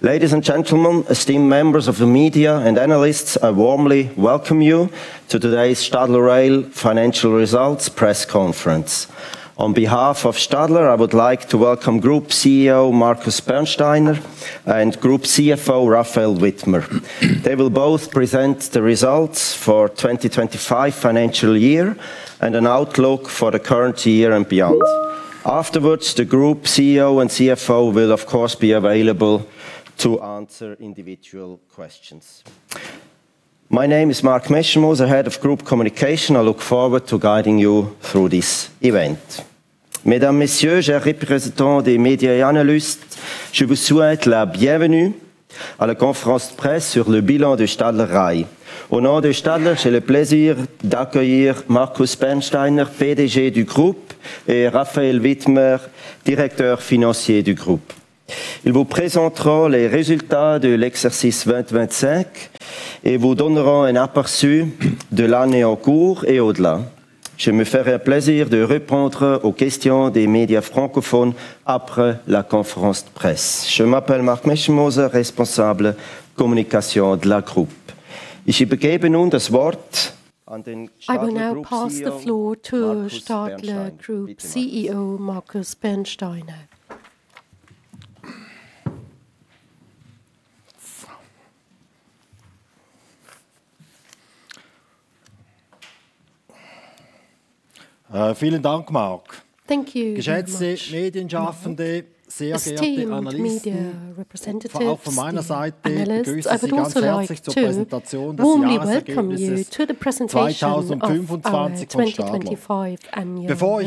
Ladies and gentlemen, esteemed members of the media and analysts, I warmly welcome you to today's Stadler Rail Financial Results press conference. On behalf of Stadler, I would like to welcome Group CEO, Markus Bernsteiner, and Group CFO, Raphael Widmer. They will both present the results for 2025 financial year and an outlook for the current year and beyond. Afterwards, the group CEO and CFO will of course be available to answer individual questions. My name is Marc Meschenmoser, Head of Group Communication. I look forward to guiding you through this event. I will now pass the floor to Stadler Group CEO, Markus Bernsteiner. Vielen Dank, Mark. Thank you very much. Esteemed media representatives, analysts, I would also like to warmly welcome you to the presentation of our 2025 annual results. Before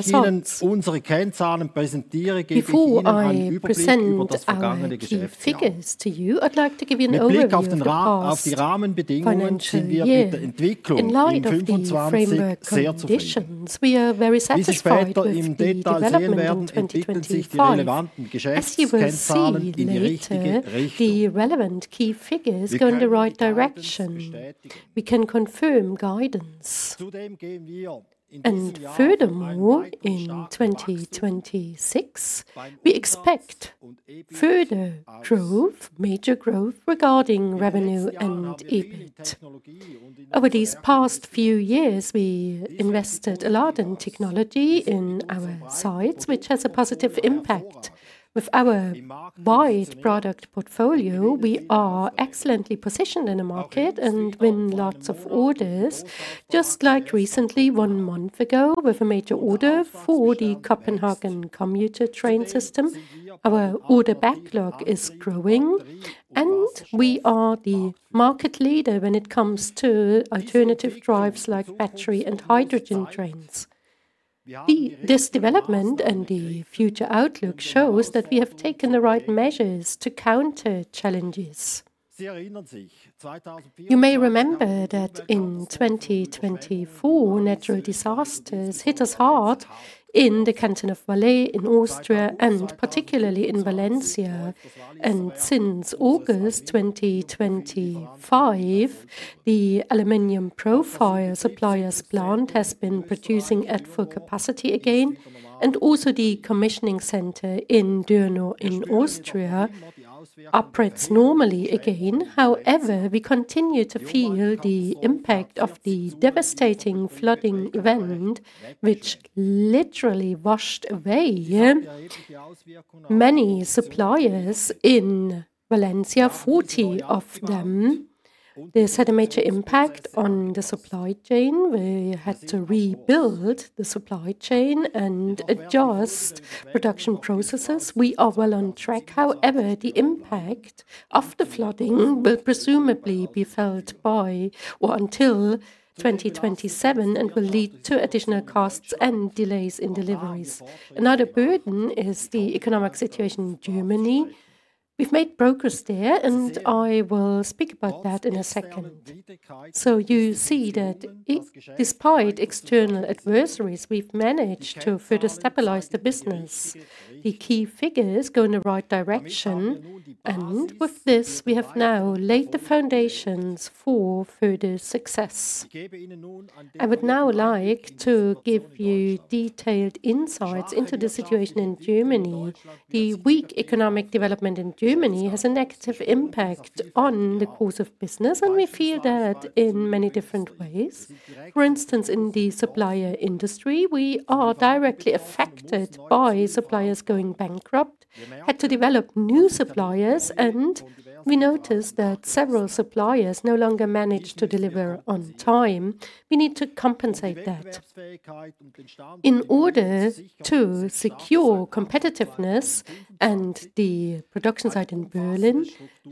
I present our key figures to you, I'd like to give you an overview of the past financial year. In light of the framework conditions, we are very satisfied with the development of 2025. As you will see later, the relevant key figures go in the right direction. We can confirm guidance. Furthermore, in 2026, we expect further growth, major growth regarding revenue and EBIT. Over these past few years, we invested a lot in technology in our sites, which has a positive impact. With our wide product portfolio, we are excellently positioned in the market and win lots of orders. Just like recently, one month ago, with a major order for the Copenhagen commuter train system. Our order backlog is growing, and we are the market leader when it comes to alternative drives like battery and hydrogen trains. This development and the future outlook shows that we have taken the right measures to counter challenges. You may remember that in 2024, natural disasters hit us hard in the canton of Valais, in Austria, and particularly in Valencia. Since August 2025, the aluminum profile suppliers plant has been producing at full capacity again. Also the commissioning center in Dürnrohr, in Austria, operates normally again. However, we continue to feel the impact of the devastating flooding event which literally washed away many suppliers in Valencia, 40 of them. This had a major impact on the supply chain. We had to rebuild the supply chain and adjust production processes. We are well on track, however, the impact of the flooding will presumably be felt by or until 2027 and will lead to additional costs and delays in deliveries. Another burden is the economic situation in Germany. We've made progress there, and I will speak about that in a second. You see that despite external adversaries, we've managed to further stabilize the business. The key figures go in the right direction, and with this, we have now laid the foundations for further success. I would now like to give you detailed insights into the situation in Germany. The weak economic development in Germany has a negative impact on the course of business, and we feel that in many different ways. For instance, in the supplier industry, we are directly affected by suppliers going bankrupt. Had to develop new suppliers, and we noticed that several suppliers no longer manage to deliver on time. We need to compensate that. In order to secure competitiveness and the production site in Berlin,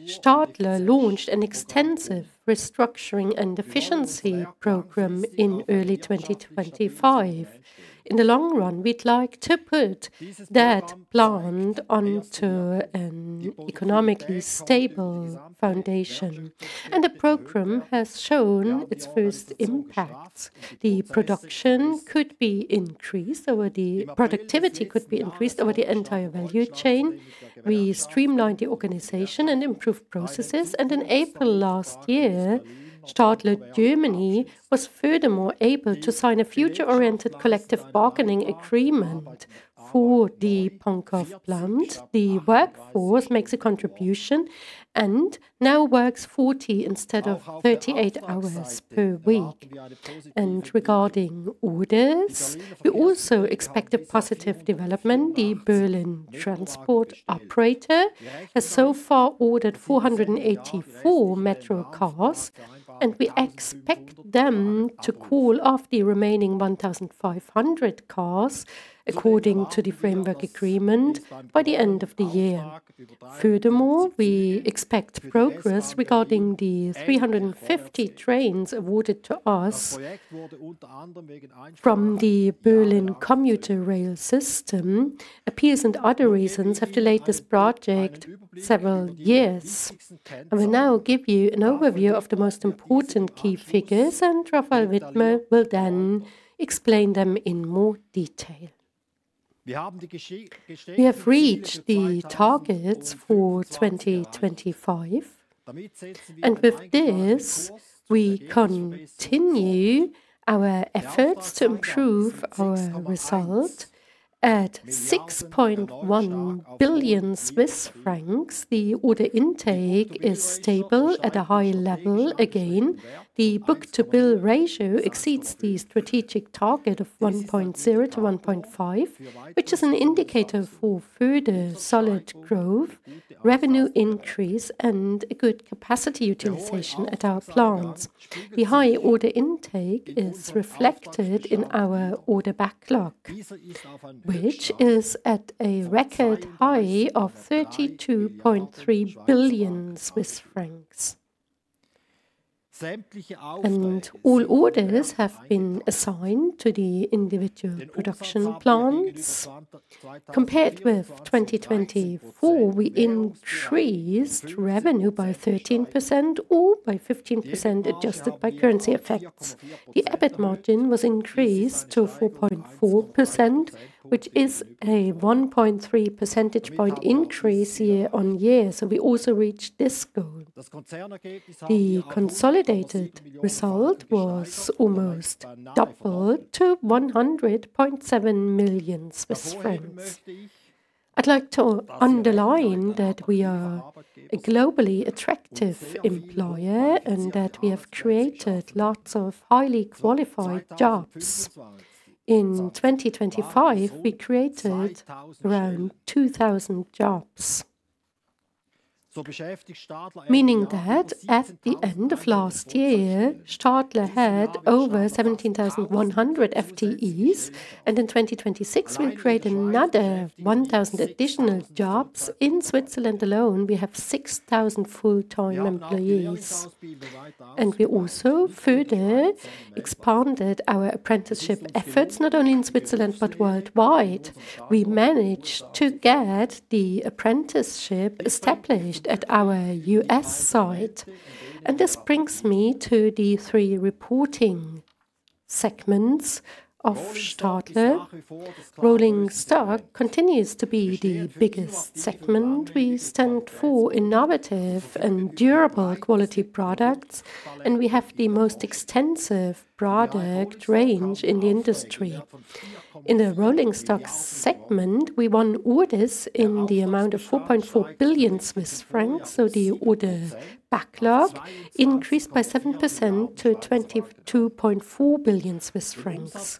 Stadler launched an extensive restructuring and efficiency program in early 2025. In the long run, we'd like to put that plant onto an economically stable foundation, and the program has shown its first impacts. Productivity could be increased over the entire value chain. We streamlined the organization and improved processes. In April last year, Stadler Germany was furthermore able to sign a future-oriented collective bargaining agreement for the Pankow plant. The workforce makes a contribution and now works 40 instead of 38 hours per week. Regarding orders, we also expect a positive development. The Berlin transport operator has so far ordered 484 metro cars, and we expect them to call off the remaining 1,500 cars according to the framework agreement by the end of the year. Furthermore, we expect progress regarding the 350 trains awarded to us from the Berlin commuter rail system. Appeals and other reasons have delayed this project several years. I will now give you an overview of the most important key figures, and Raphael Widmer will then explain them in more detail. We have reached the targets for 2025. With this, we continue our efforts to improve our result. At 6.1 billion Swiss francs, the order intake is stable at a high level again. The book-to-bill ratio exceeds the strategic target of 1.0-1.5, which is an indicator for further solid growth, revenue increase, and a good capacity utilization at our plants. The high order intake is reflected in our order backlog, which is at a record high of 32.3 billion Swiss francs. All orders have been assigned to the individual production plants. Compared with 2024, we increased revenue by 13%, or by 15% adjusted by currency effects. The EBIT margin was increased to 4.4%, which is a 1.3 percentage point increase year-on-year. We also reached this goal. The consolidated result was almost double to 100.7 million Swiss francs. I'd like to underline that we are a globally attractive employer and that we have created lots of highly qualified jobs. In 2025, we created around 2,000 jobs. Meaning that at the end of last year, Stadler had over 17,100 FTEs, and in 2026 we'll create another 1,000 additional jobs. In Switzerland alone, we have 6,000 full-time employees. We also further expanded our apprenticeship efforts, not only in Switzerland, but worldwide. We managed to get the apprenticeship established at our US site. This brings me to the three reporting segments of Stadler. Rolling stock continues to be the biggest segment. We stand for innovative and durable quality products, and we have the most extensive product range in the industry. In the rolling stock segment, we won orders in the amount of 4.4 billion Swiss francs, so the order backlog increased by 7% to 22.4 billion Swiss francs.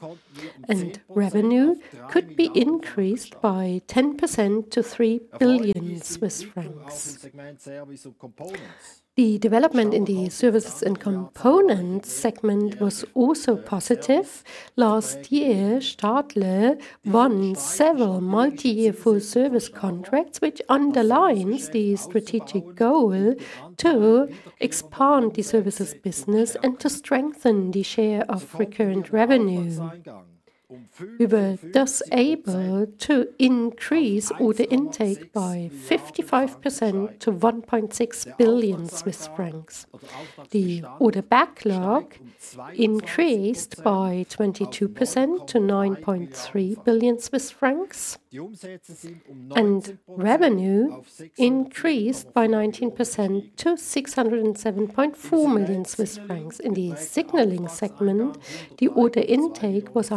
Revenue could be increased by 10% to 3 billion Swiss francs. The development in the services and components segment was also positive. Last year, Stadler won several multi-year full service contracts, which underlines the strategic goal to expand the services business and to strengthen the share of recurrent revenue. We were thus able to increase order intake by 55%-CHF 1.6 billion. The order backlog increased by 22%-CHF 9.3 billion, and revenue increased by 19%-CHF 607.4 million. In the signaling segment, the order intake was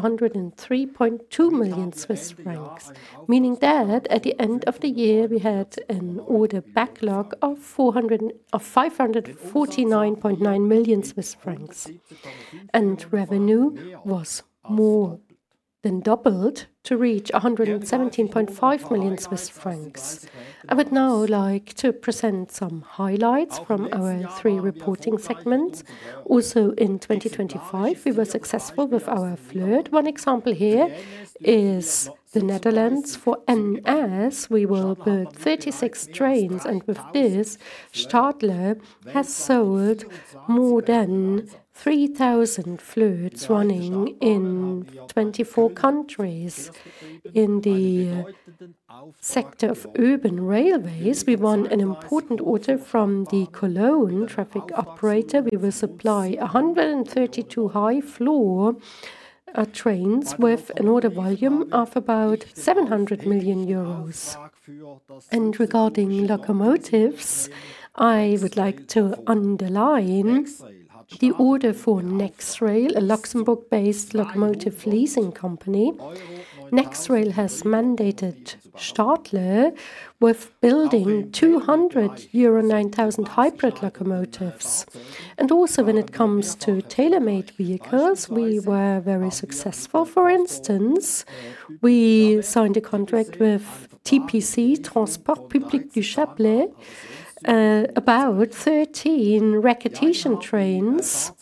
103.2 million Swiss francs, meaning that at the end of the year we had an order backlog of 400 and... 549.9 million Swiss francs, and revenue was more than doubled to reach 117.5 million Swiss francs. I would now like to present some highlights from our three reporting segments. Also, in 2025, we were successful with our FLIRT. One example here is the Netherlands. For NS, we will build 36 trains, and with this, Stadler has sold more than 3,000 FLIRTs running in 24 countries. In the sector of urban railways, we won an important order from KVB. We will supply 132 high-floor trains with an order volume of about 700 million euros. Regarding locomotives, I would like to underline the order for Nexrail, a Luxembourg-based locomotive leasing company. Nexrail has mandated Stadler with building 200 EURO9000 hybrid locomotives. Also when it comes to tailor-made vehicles, we were very successful. For instance, we signed a contract with TPC, Transports Publics du Chablais, about 13 rack-adhesion trains,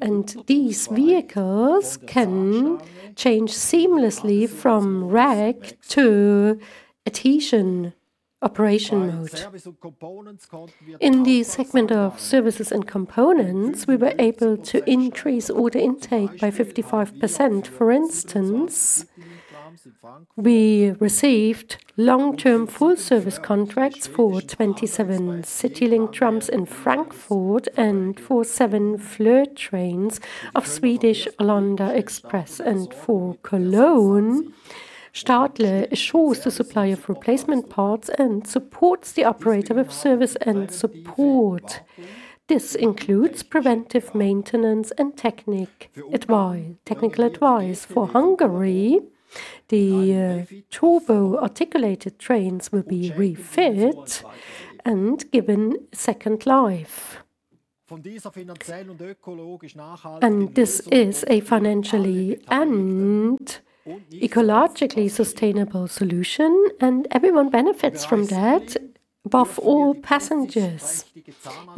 and these vehicles can change seamlessly from rack to adhesion operation mode. In the segment of services and components, we were able to increase order intake by 55%. For instance, we received long-term full-service contracts for 27 Citylink trams in Frankfurt and for 7 FLIRT trains of Swedish Landa Express. For Cologne, Stadler assures the supply of replacement parts and supports the operator with service and support. This includes preventive maintenance and technical advice. For Hungary, the turbo articulated trains will be refit and given second life. This is a financially and ecologically sustainable solution, and everyone benefits from that, above all passengers.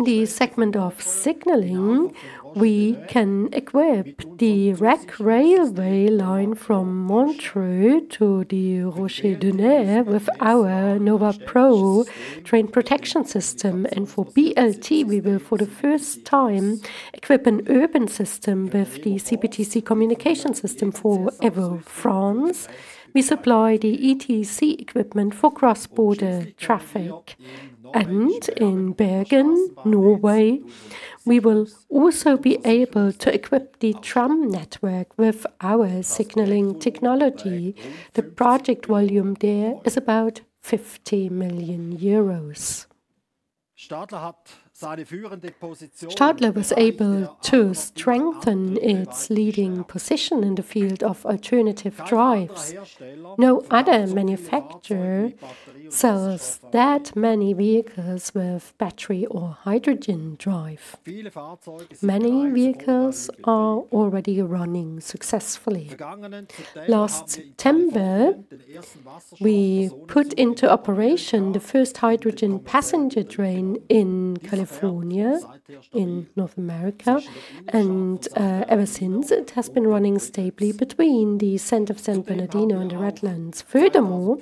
The segment of signaling, we can equip the rack railway line from Montreux to the Rochers-de-Naye with our NOVA PRO train protection system. For BLT, we will, for the first time, equip an urban system with the CBTC communication system for EVO France. We supply the ETCS equipment for cross-border traffic. In Bergen, Norway, we will also be able to equip the tram network with our signaling technology. The project volume there is about 50 million euros. Stadler was able to strengthen its leading position in the field of alternative drives. No other manufacturer sells that many vehicles with battery or hydrogen drive. Many vehicles are already running successfully. Last September, we put into operation the first hydrogen passenger train in California, in North America, and ever since it has been running stably between the center of San Bernardino and the Redlands. Furthermore,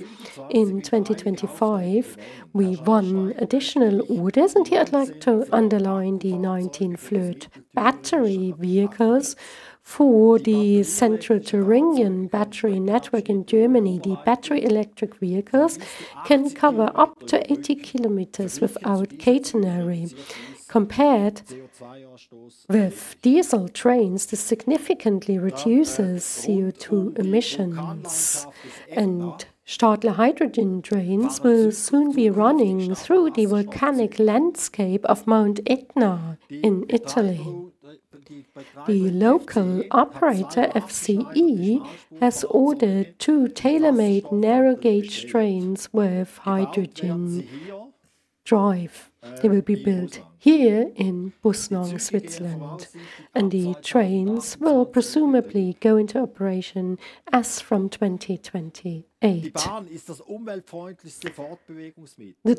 in 2025, we won additional orders, and here I'd like to underline the 19 FLIRT battery vehicles for the Central Thuringian battery network in Germany. The battery electric vehicles can cover up to 80 kilometers without catenary. Compared with diesel trains, this significantly reduces CO₂ emissions. Stadler hydrogen trains will soon be running through the volcanic landscape of Mount Etna in Italy. The local operator, FCE, has ordered two tailor-made narrow gauge trains with hydrogen drive. They will be built here in Bussnang, Switzerland. The trains will presumably go into operation as from 2028. The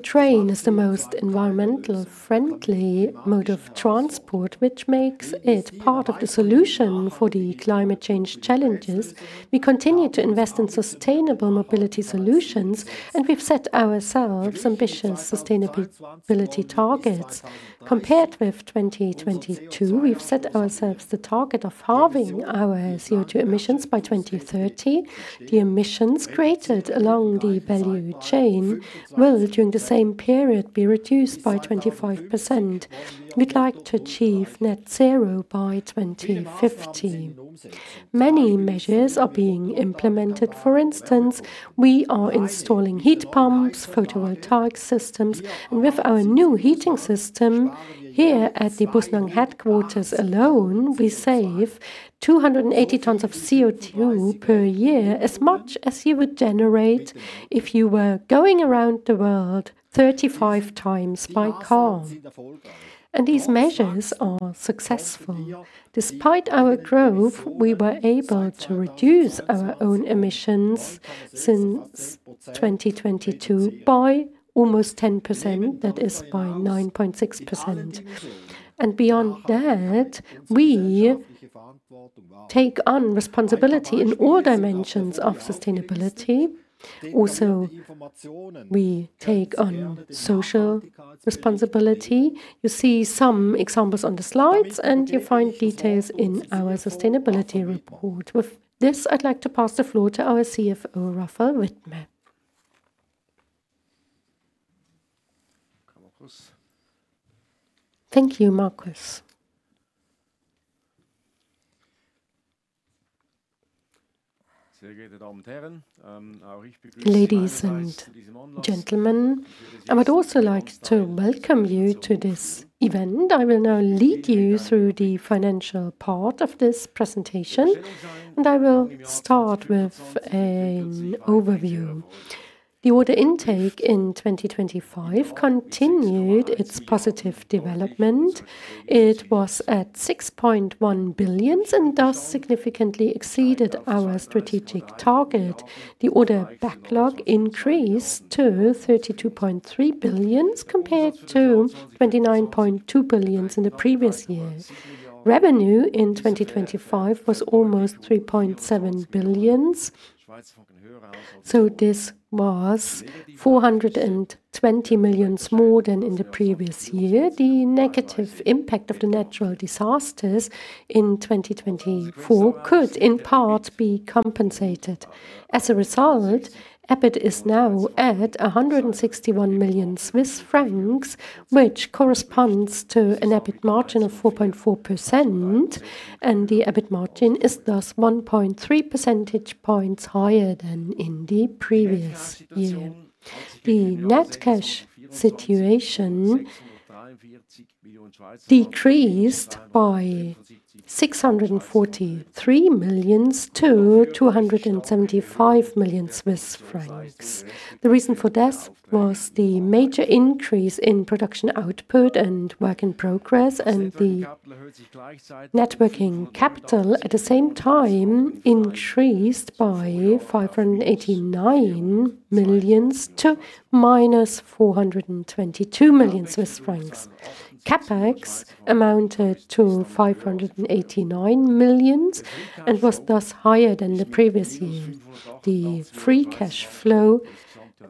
train is the most environmentally friendly mode of transport, which makes it part of the solution for the climate change challenges. We continue to invest in sustainable mobility solutions, and we've set ourselves ambitious sustainability targets. Compared with 2022, we've set ourselves the target of halving our CO₂ emissions by 2030. The emissions created along the value chain will, during the same period, be reduced by 25%. We'd like to achieve net zero by 2050. Many measures are being implemented. For instance, we are installing heat pumps, photovoltaic systems. With our new heating system here at the Bussnang headquarters alone, we save 280 tons of CO₂ per year, as much as you would generate if you were going around the world 35 times by car. These measures are successful. Despite our growth, we were able to reduce our own emissions since 2022 by almost 10%, that is by 9.6%. Beyond that, we take on responsibility in all dimensions of sustainability. Also, we take on social responsibility. You see some examples on the slides, and you find details in our sustainability report. With this, I'd like to pass the floor to our CFO, Raphael Widmer. Thank you, Markus. Ladies and gentlemen, I would also like to welcome you to this event. I will now lead you through the financial part of this presentation, and I will start with an overview. The order intake in 2025 continued its positive development. It was at 6.1 billion and thus significantly exceeded our strategic target. The order backlog increased to 32.3 billion compared to 29.2 billion in the previous year. Revenue in 2025 was almost 3.7 billion. This was 420 million more than in the previous year. The negative impact of the natural disasters in 2024 could in part be compensated. As a result, EBIT is now at 161 million Swiss francs, which corresponds to an EBIT margin of 4.4%, and the EBIT margin is thus 1.3 percentage points higher than in the previous year. The net cash situation decreased by 643 million-275 million Swiss francs. The reason for this was the major increase in production output and work in progress, and the net working capital at the same time increased by 589 million-422 million Swiss francs. CapEx amounted to 589 million and was thus higher than the previous year. The free cash flow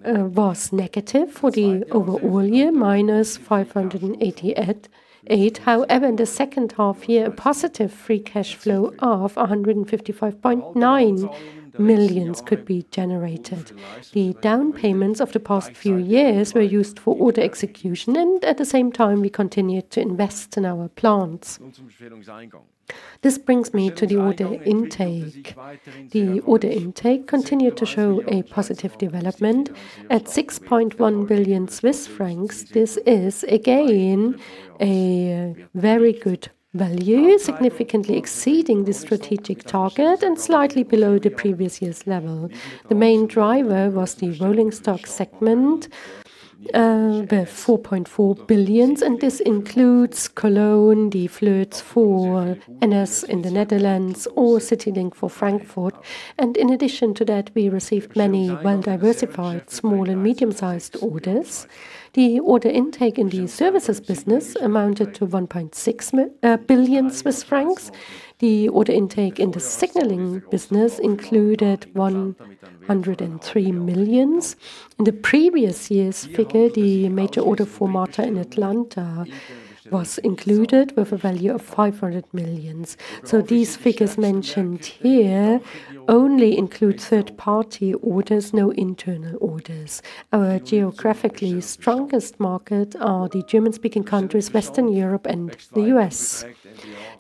was negative for the overall year, -588 million. However, in the second half year, a positive free cash flow of 155.9 million could be generated. The down payments of the past few years were used for order execution, and at the same time, we continued to invest in our plants. This brings me to the order intake. The order intake continued to show a positive development. At 6.1 billion Swiss francs, this is again a very good value, significantly exceeding the strategic target and slightly below the previous year's level. The main driver was the rolling stock segment, with 4.4 billion, and this includes Cologne, the FLIRT for NS in the Netherlands or CITYLINK for Frankfurt. In addition to that, we received many well-diversified small and medium-sized orders. The order intake in the services business amounted to 1.6 billion Swiss francs. The order intake in the signaling business included 103 million. In the previous year's figure, the major order for MARTA in Atlanta was included with a value of 500 million. These figures mentioned here only include third-party orders, no internal orders. Our geographically strongest market are the German-speaking countries, Western Europe and the U.S.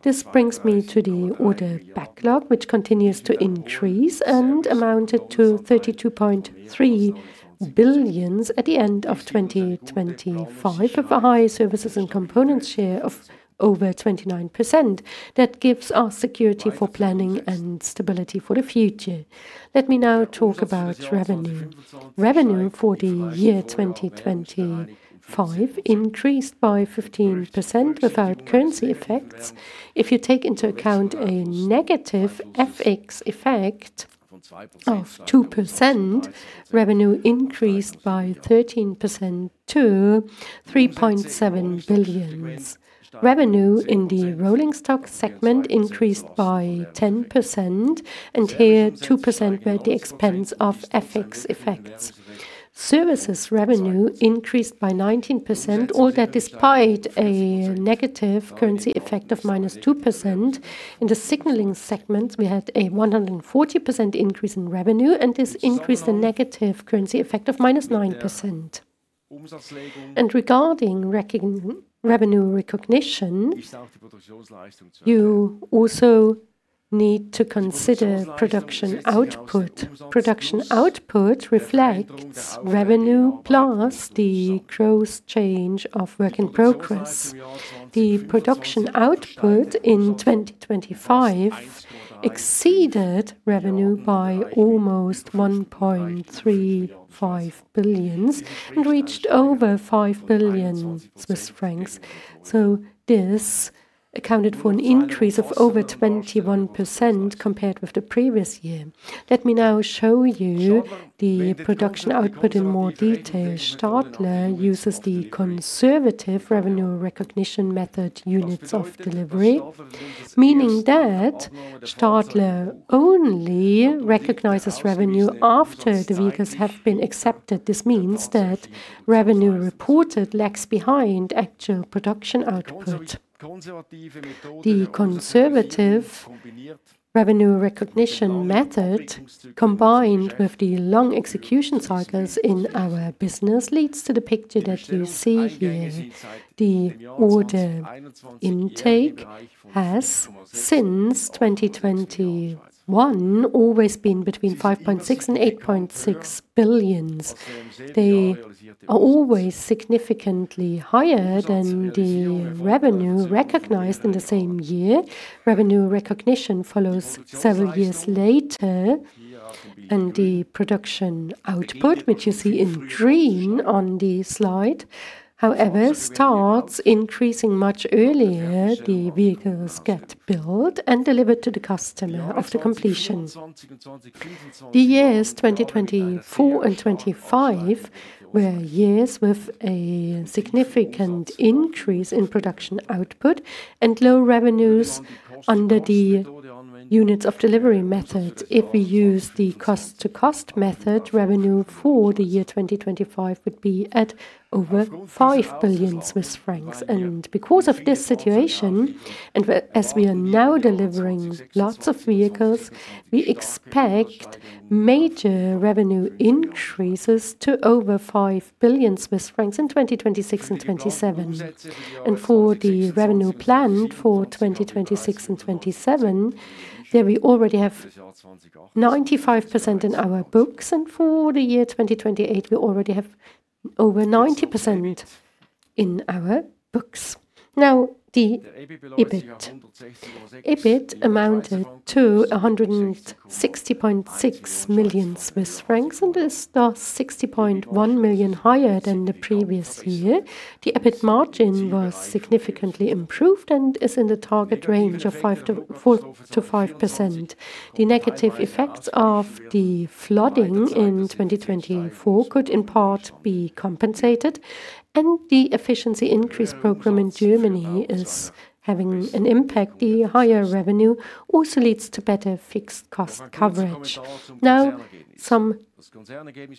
This brings me to the order backlog, which continues to increase and amounted to 32.3 billion at the end of 2025, with a high services and components share of over 29%. That gives us security for planning and stability for the future. Let me now talk about revenue. Revenue for the year 2025 increased by 15% without currency effects. If you take into account a negative FX effect of 2%, revenue increased by 13%-CHF 3.7 billion. Revenue in the rolling stock segment increased by 10%, and here 2% were at the expense of FX effects. Services revenue increased by 19%, all that despite a negative currency effect of -2%. In the signaling segment, we had a 140% increase in revenue, and this increased the negative currency effect of -9%. Regarding revenue recognition, you also need to consider production output. Production output reflects revenue plus the gross change of work in progress. The production output in 2025 exceeded revenue by almost 1.35 billion and reached over 5 billion Swiss francs. This accounted for an increase of over 21% compared with the previous year. Let me now show you the production output in more detail. Stadler uses the conservative revenue recognition method units of delivery, meaning that Stadler only recognizes revenue after the vehicles have been accepted. This means that revenue reported lags behind actual production output. The conservative revenue recognition method, combined with the long execution cycles in our business, leads to the picture that you see here. The order intake has, since 2021, always been between 5.6 billion and 8.6 billion. They are always significantly higher than the revenue recognized in the same year. Revenue recognition follows several years later, and the production output, which you see in green on the slide, however, starts increasing much earlier. The vehicles get built and delivered to the customer after completion. The years 2024 and 2025 were years with a significant increase in production output and low revenues under the units of delivery method. If we use the cost-to-cost method, revenue for the year 2025 would be at over 5 billion Swiss francs. Because of this situation, as we are now delivering lots of vehicles, we expect major revenue increases to over 5 billion Swiss francs in 2026 and 2027. For the revenue planned for 2026 and 2027, there we already have 95% in our books. For the year 2028, we already have over 90% in our books. Now, the EBIT. EBIT amounted to 160.6 million Swiss francs, and is 60.1 million higher than the previous year. The EBIT margin was significantly improved and is in the target range of 4%-5%. The negative effects of the flooding in 2024 could in part be compensated, and the efficiency increase program in Germany is having an impact. The higher revenue also leads to better fixed cost coverage. Now, some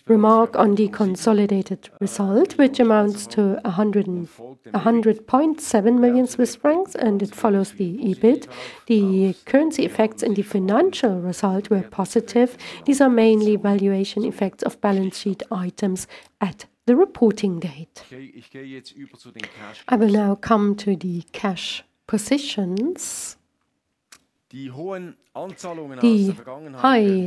remark on the consolidated result, which amounts to 100.7 million Swiss francs, and it follows the EBIT. The currency effects and the financial results were positive. These are mainly valuation effects of balance sheet items at the reporting date. I will now come to the cash positions. The high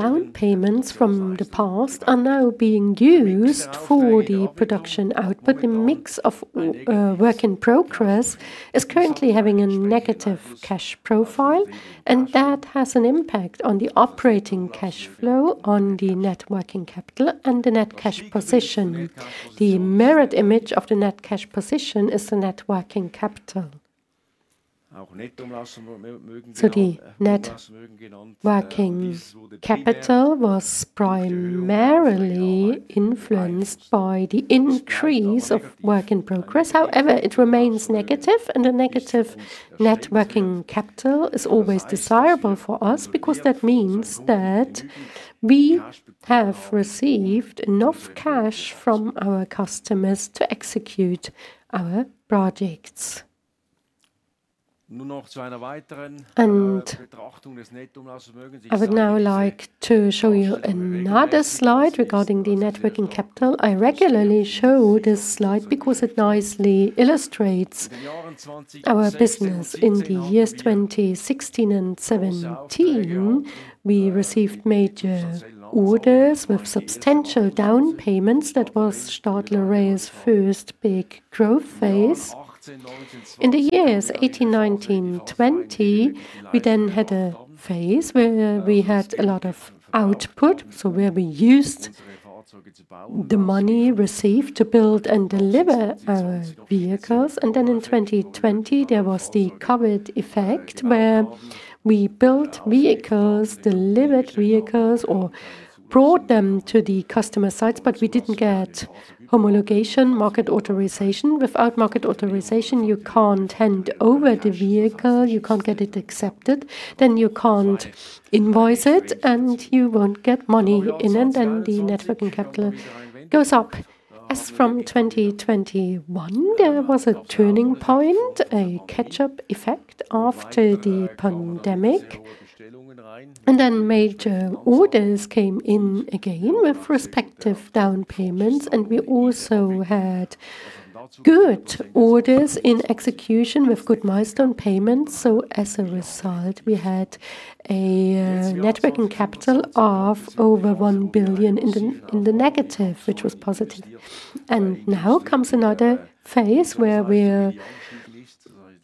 down payments from the past are now being used for the production output. The mix of work in progress is currently having a negative cash profile, and that has an impact on the operating cash flow, on the net working capital and the net cash position. The mirror image of the net cash position is the net working capital. The net working capital was primarily influenced by the increase of work in progress. However, it remains negative, and a negative net working capital is always desirable for us, because that means that we have received enough cash from our customers to execute our projects. I would now like to show you another slide regarding the net working capital. I regularly show this slide because it nicely illustrates our business. In the years 2016 and 2017, we received major orders with substantial down payments. That was Stadler Rail's first big growth phase. In the years 2018, 2019, 2020, we then had a phase where we had a lot of output, so where we used the money received to build and deliver our vehicles. In 2020, there was the COVID effect, where we built vehicles, delivered vehicles, or brought them to the customer sites, but we didn't get homologation, market authorization. Without market authorization, you can't hand over the vehicle, you can't get it accepted, then you can't invoice it, and you won't get money in, and then the net working capital goes up. As from 2021, there was a turning point, a catch-up effect after the pandemic. Major orders came in again with respective down payments, and we also had good orders in execution with good milestone payments. As a result, we had a net working capital of over 1 billion in the negative, which was positive. Now comes another phase where we're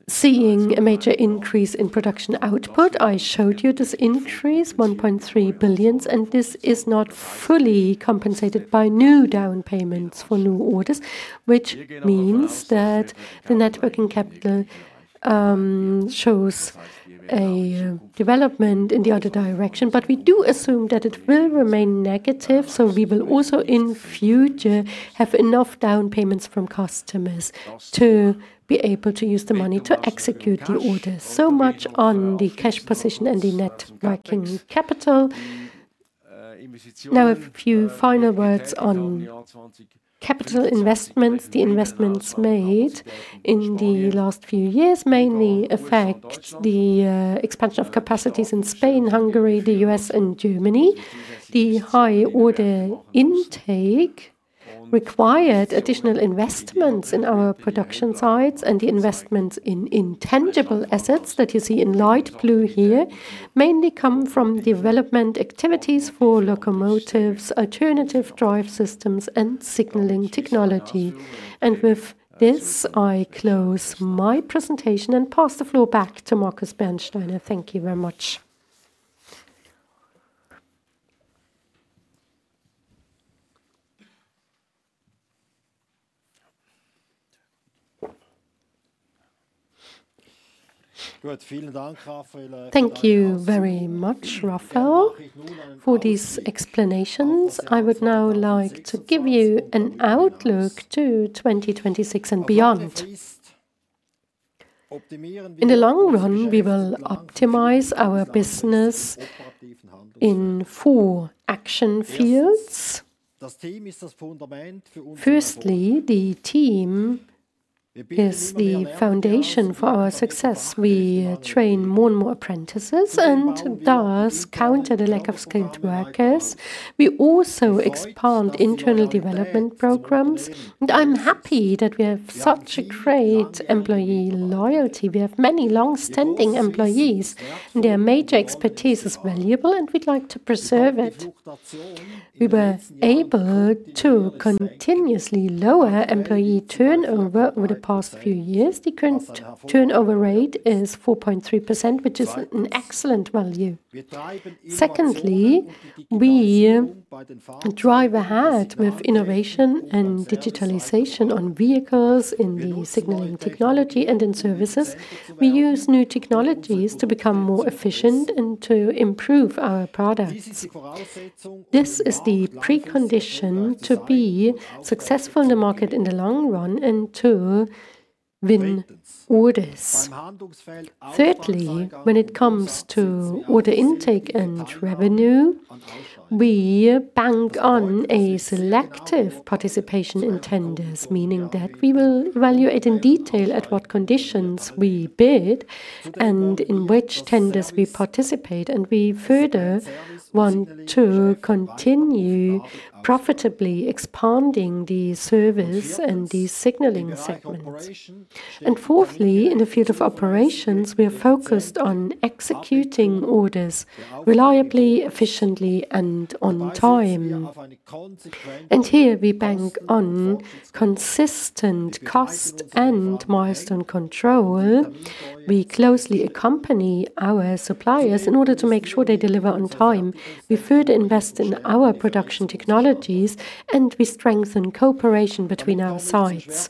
seeing a major increase in production output. I showed you this increase, 1.3 billion, and this is not fully compensated by new down payments for new orders, which means that the net working capital shows a development in the other direction. We do assume that it will remain negative, so we will also in future have enough down payments from customers to be able to use the money to execute the orders. Much on the cash position and the net working capital. Now a few final words on capital investment. The investments made in the last few years mainly affect the expansion of capacities in Spain, Hungary, the U.S. and Germany. The high order intake required additional investments in our production sites and the investments in intangible assets that you see in light blue here mainly come from development activities for locomotives, alternative drive systems and signaling technology. With this, I close my presentation and pass the floor back to Markus Bernsteiner. Thank you very much. Thank you very much, Rafael, for these explanations. I would now like to give you an outlook to 2026 and beyond. In the long run, we will optimize our business in four action fields. Firstly, the team is the foundation for our success. We train more and more apprentices and thus counter the lack of skilled workers. We also expand internal development programs, and I'm happy that we have such a great employee loyalty. We have many long-standing employees, and their major expertise is valuable, and we'd like to preserve it. We were able to continuously lower employee turnover over the past few years. The current turnover rate is 4.3%, which is an excellent value. Secondly, we drive ahead with innovation and digitalization on vehicles in the signaling technology and in services. We use new technologies to become more efficient and to improve our products. This is the precondition to be successful in the market in the long run and to win orders. Thirdly, when it comes to order intake and revenue, we bank on a selective participation in tenders, meaning that we will evaluate in detail at what conditions we bid and in which tenders we participate, and we further want to continue profitably expanding the service and the signaling segments. Fourthly, in the field of operations, we are focused on executing orders reliably, efficiently and on time. Here we bank on consistent cost and milestone control. We closely accompany our suppliers in order to make sure they deliver on time. We further invest in our production technologies, and we strengthen cooperation between our sites.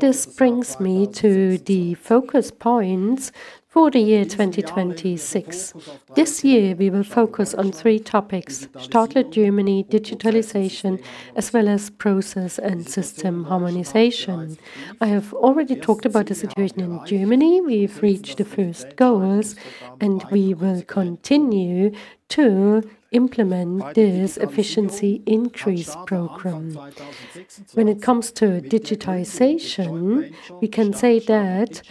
This brings me to the focus points for the year 2026. This year we will focus on three topics: Stadler Germany, digitization, as well as process and system harmonization. I have already talked about the situation in Germany. We have reached the first goals, and we will continue to implement this efficiency increase program. When it comes to digitization, we can say that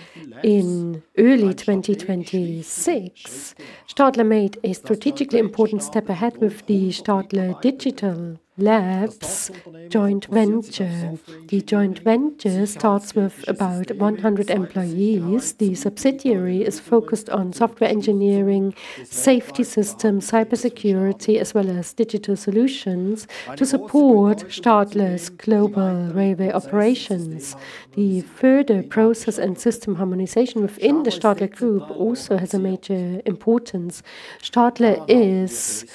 in early 2026, Stadler made a strategically important step ahead with the Stadler Digital Labs joint venture. The joint venture starts with about 100 employees. The subsidiary is focused on software engineering, safety systems, cybersecurity, as well as digital solutions to support Stadler's global railway operations. The further process and system harmonization within the Stadler Group also has a major importance. Stadler is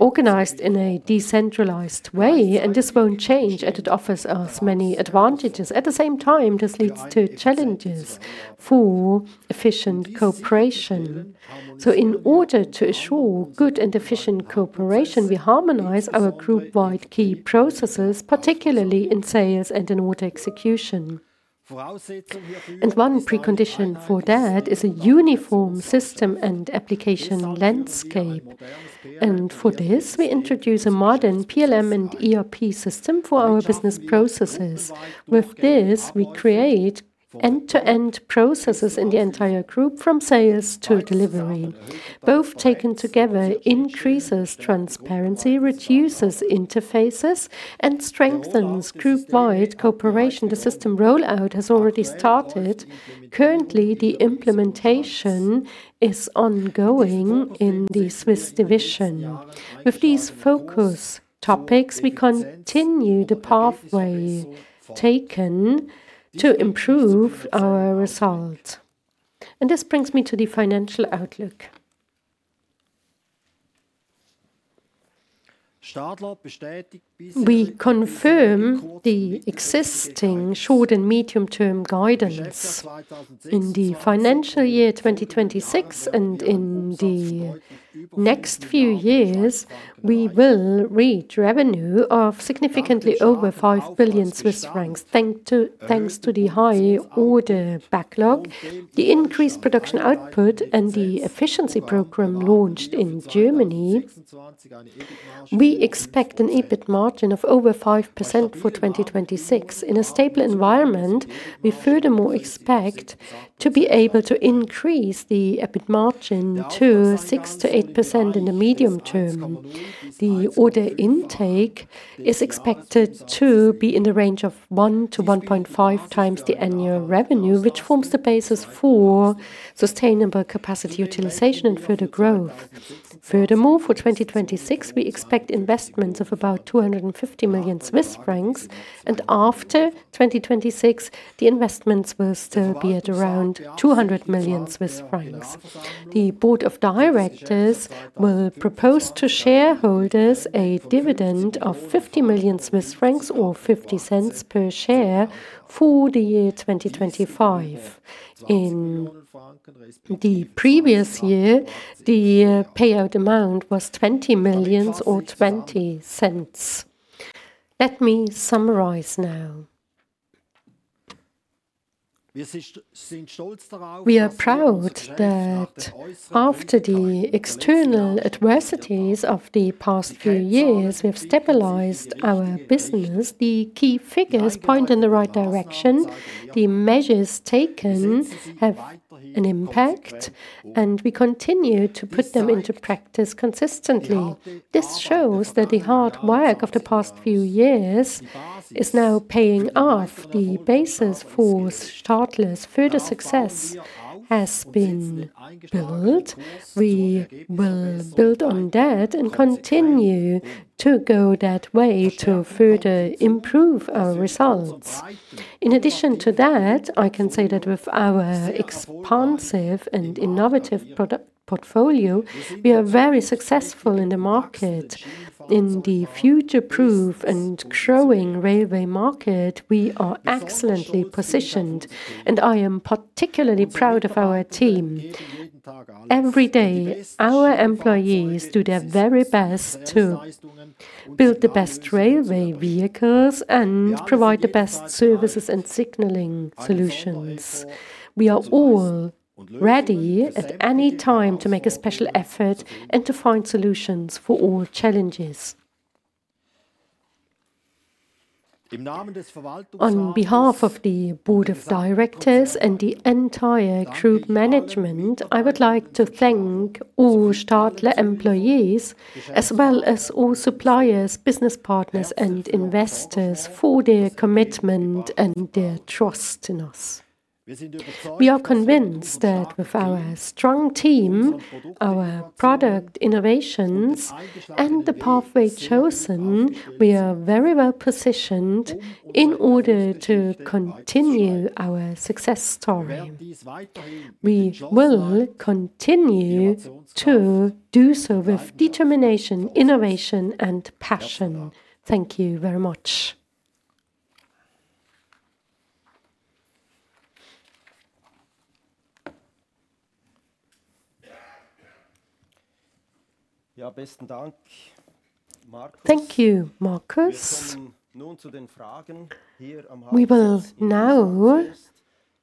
organized in a decentralized way, and this won't change, and it offers us many advantages. At the same time, this leads to challenges for efficient cooperation. In order to assure good and efficient cooperation, we harmonize our group-wide key processes, particularly in sales and in order execution. One precondition for that is a uniform system and application landscape. For this, we introduce a modern PLM and ERP system for our business processes. With this, we create end-to-end processes in the entire group from sales to delivery. Both taken together increases transparency, reduces interfaces, and strengthens group-wide cooperation. The system rollout has already started. Currently, the implementation is ongoing in the Swiss division. With these focus topics, we continue the pathway taken to improve our result. This brings me to the financial outlook. We confirm the existing short- and medium-term guidance in the financial year 2026 and in the next few years we will reach revenue of significantly over 5 billion Swiss francs. Thanks to the high order backlog, the increased production output and the efficiency program launched in Germany, we expect an EBIT margin of over 5% for 2026. In a stable environment, we furthermore expect to be able to increase the EBIT margin to 6%-8% in the medium term. The order intake is expected to be in the range of 1x-1.5x the annual revenue, which forms the basis for sustainable capacity utilization and further growth. Furthermore, for 2026, we expect investments of about 250 million Swiss francs, and after 2026 the investments will still be at around 200 million Swiss francs. The board of directors will propose to shareholders a dividend of 50 million Swiss francs or 0.50 per share for the year 2025. In the previous year, the payout amount was 20 million or 0.20 per share. Let me summarize now. We are proud that after the external adversities of the past few years, we have stabilized our business. The key figures point in the right direction. The measures taken have an impact, and we continue to put them into practice consistently. This shows that the hard work of the past few years is now paying off. The basis for Stadler's further success has been built. We will build on that and continue to go that way to further improve our results. In addition to that, I can say that with our expansive and innovative portfolio, we are very successful in the market. In the future-proof and growing railway market, we are excellently positioned, and I am particularly proud of our team. Every day, our employees do their very best to build the best railway vehicles and provide the best services and signaling solutions. We are all ready at any time to make a special effort and to find solutions for all challenges. On behalf of the board of directors and the entire group management, I would like to thank all Stadler employees as well as all suppliers, business partners, and investors for their commitment and their trust in us. We are convinced that with our strong team, our product innovations, and the pathway chosen, we are very well positioned in order to continue our success story. We will continue to do so with determination, innovation, and passion. Thank you very much. Thank you, Markus. We will now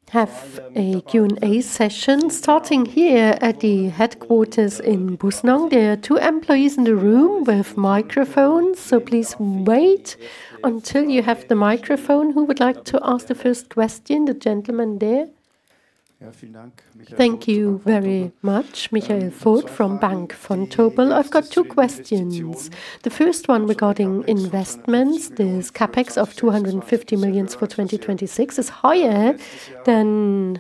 have a Q&A session starting here at the headquarters in Bussnang. There are two employees in the room with microphones, so please wait until you have the microphone. Who would like to ask the first question? The gentleman there. Thank you very much. Michael Voigt from Bank Vontobel. I've got two questions. The first one regarding investments. This CapEx of 250 million for 2026 is higher than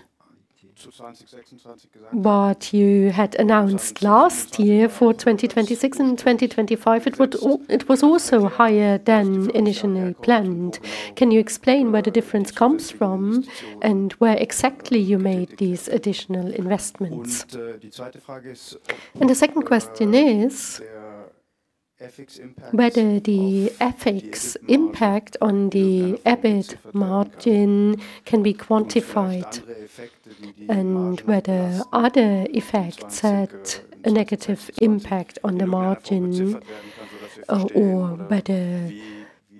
what you had announced last year for 2026 and 2025. It was also higher than initially planned. Can you explain where the difference comes from and where exactly you made these additional investments? The second question is, whether the FX impact on the EBIT margin can be quantified and whether other effects had a negative impact on the margin. Or whether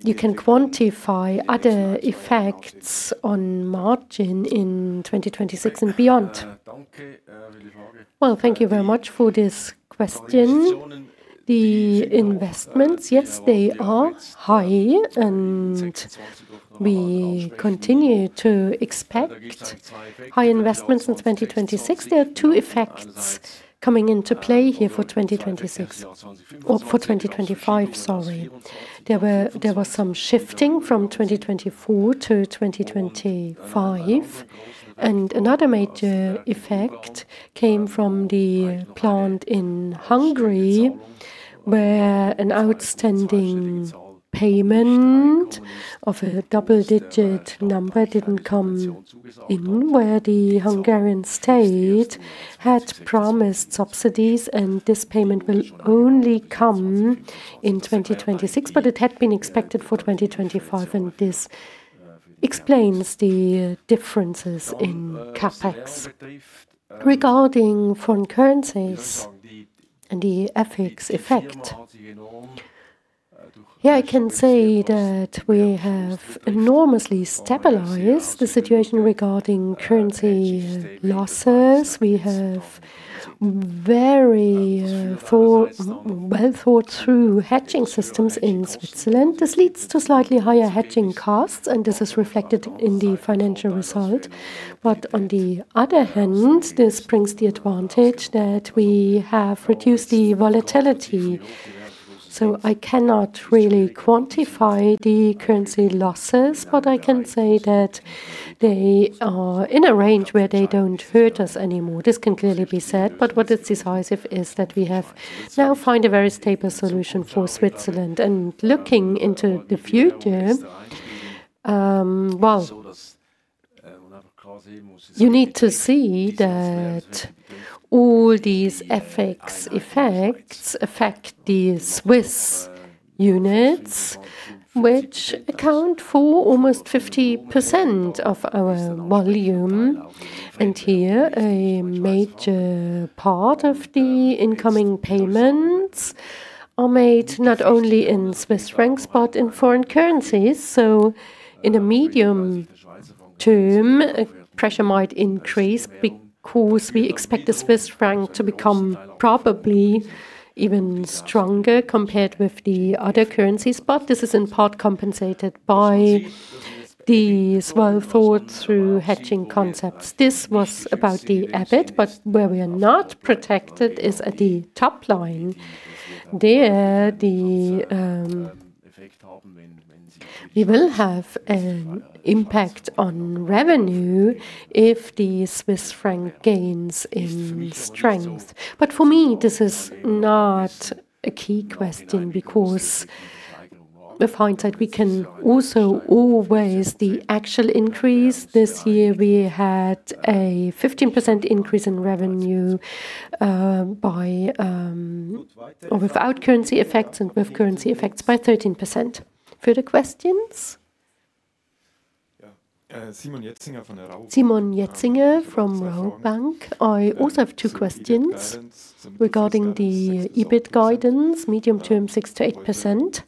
you can quantify other effects on margin in 2026 and beyond. Well, thank you very much for this question. The investments, yes, they are high, and we continue to expect high investments in 2026. There are two effects coming into play here for 2026. Or for 2025, sorry. There was some shifting from 2024-2025. Another major effect came from the plant in Hungary, where an outstanding payment of a double digit number didn't come in, where the Hungarian state had promised subsidies, and this payment will only come in 2026. But it had been expected for 2025, and this explains the differences in CapEx. Regarding foreign currencies and the FX effect, yeah, I can say that we have enormously stabilized the situation regarding currency losses. We have very well thought through hedging systems in Switzerland. This leads to slightly higher hedging costs, and this is reflected in the financial result. On the other hand, this brings the advantage that we have reduced the volatility. I cannot really quantify the currency losses, but I can say that they are in a range where they don't hurt us anymore. This can clearly be said. What is decisive is that we have now found a very stable solution for Switzerland. Looking into the future, well, you need to see that all these FX effects affect the Swiss units, which account for almost 50% of our volume. Here, a major part of the incoming payments are made not only in Swiss francs, but in foreign currencies. In the medium term, pressure might increase because we expect the Swiss franc to become probably even stronger compared with the other currencies. This is in part compensated by the well-thought through hedging concepts. This was about the EBIT, but where we are not protected is at the top line. There, we will have an impact on revenue if the Swiss franc gains in strength. For me, this is not a key question because with hindsight, we can also always the actual increase. This year we had a 15% increase in revenue without currency effects and with currency effects by 13%. Further questions? Yeah, Simon Jetzinger from Raiffeisen. Simon Jetzinger from Rabobank. I also have two questions regarding the EBIT guidance, medium term 6%-8%.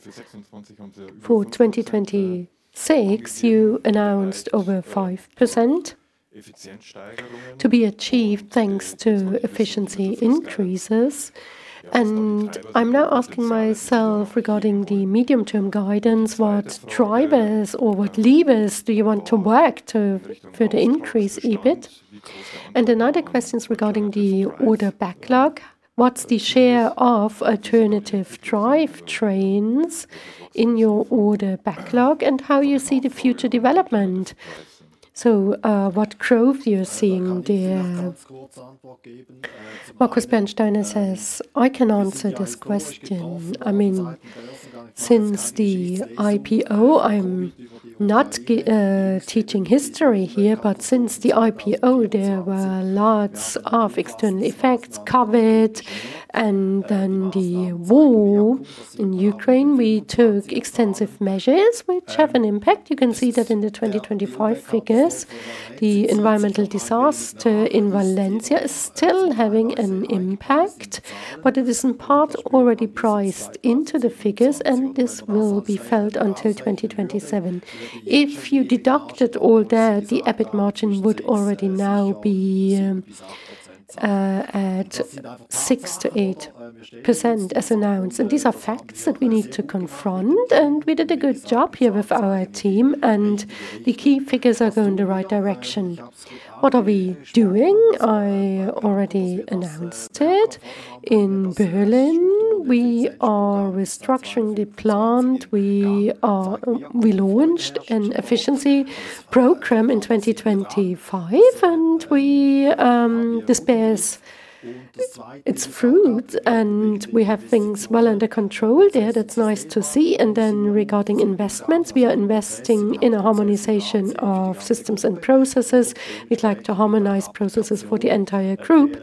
For 2026, you announced over 5% to be achieved thanks to efficiency increases. I'm now asking myself regarding the medium term guidance, what drivers or what levers do you want to work to further increase EBIT? Another question is regarding the order backlog. What's the share of alternative drivetrains in your order backlog, and how you see the future development? What growth you're seeing there? Markus Bernsteiner says, I can answer this question. I mean, since the IPO, I'm not teaching history here, but since the IPO, there were lots of external effects, COVID, and then the war in Ukraine. We took extensive measures which have an impact. You can see that in the 2025 figures. The environmental disaster in Valencia is still having an impact, but it is in part already priced into the figures, and this will be felt until 2027. If you deducted all that, the EBIT margin would already now be at 6%-8% as announced. These are facts that we need to confront, and we did a good job here with our team, and the key figures are going the right direction. What are we doing? I already announced it. In Berlin, we are restructuring the plant. We launched an efficiency program in 2025, and we, this bears its fruit, and we have things well under control there. That's nice to see. Regarding investments, we are investing in a harmonization of systems and processes. We'd like to harmonize processes for the entire group.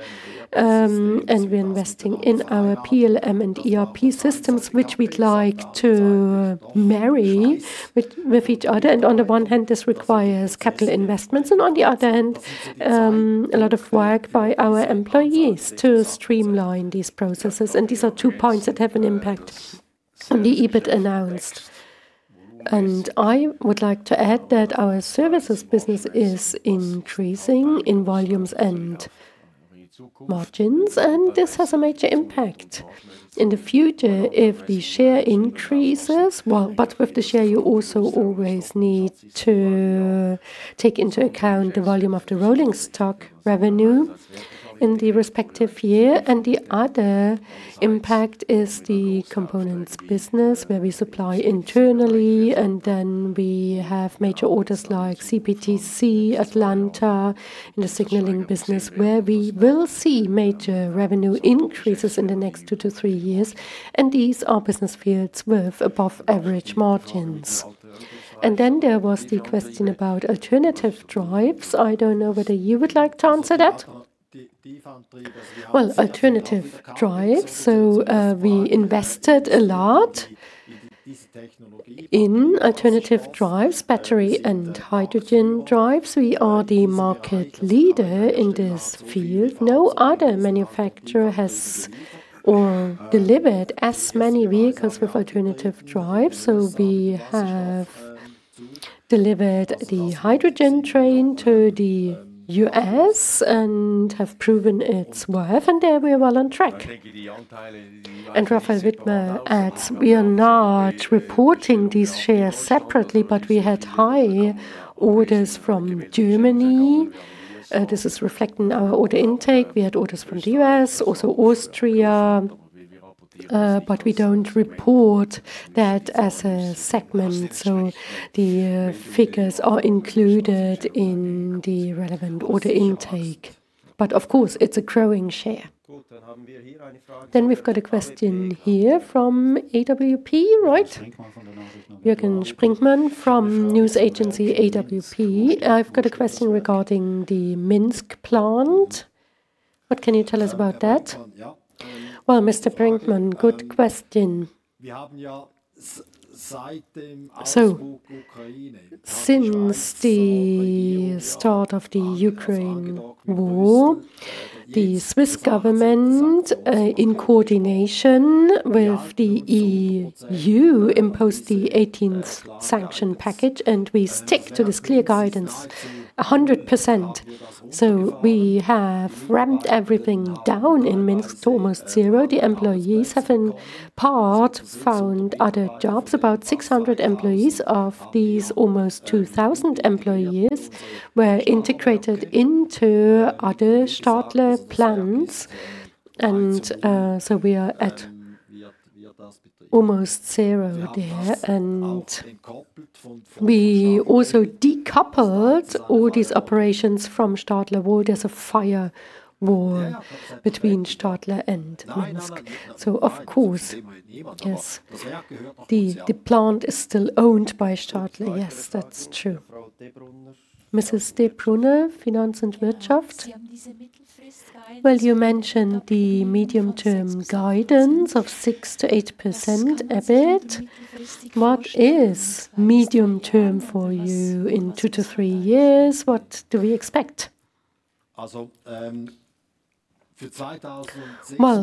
We're investing in our PLM and ERP systems, which we'd like to marry with each other. On the one hand, this requires capital investments, and on the other hand, a lot of work by our employees to streamline these processes. These are two points that have an impact on the EBIT announced. I would like to add that our services business is increasing in volumes and margins, and this has a major impact in the future if the share increases. Well, with the share, you also always need to take into account the volume of the rolling stock revenue in the respective year. The other impact is the components business, where we supply internally, and then we have major orders like CBTC, Atlanta, in the signaling business, where we will see major revenue increases in the next two to three years. These are business fields with above-average margins. There was the question about alternative drives. I don't know whether you would like to answer that. Well, alternative drives, we invested a lot in alternative drives, battery and hydrogen drives. We are the market leader in this field. No other manufacturer has or delivered as many vehicles with alternative drives. We have delivered the hydrogen train to the U.S. and have proven its worth, and there we are well on track. Raphael Widmer adds, we are not reporting these shares separately, but we had high orders from Germany. This is reflecting our order intake. We had orders from the U.S., also Austria, but we don't report that as a segment, so the figures are included in the relevant order intake. Of course, it's a growing share. We've got a question here from AWP, right? Jürgen Brinkmann from news agency AWP. I've got a question regarding the Minsk plant. What can you tell us about that? Well, Mr. Brinkmann, good question. Since the start of the Ukraine war, the Swiss government, in coordination with the EU, imposed the 18th sanction package, and we stick to this clear guidance 100%. We have ramped everything down in Minsk to almost zero. The employees have in part found other jobs. About 600 employees of these almost 2,000 employees were integrated into other Stadler plants. We are at almost zero there. We also decoupled all these operations from Stadler. Well, there's a firewall between Stadler and Minsk. Of course, yes, the plant is still owned by Stadler. Yes, that's true. Maja de Rivo-Brunner, Finanz und Wirtschaft. Well, you mentioned the medium-term guidance of 6%-8% EBIT. What is medium-term for you in two to three years? What do we expect? Well,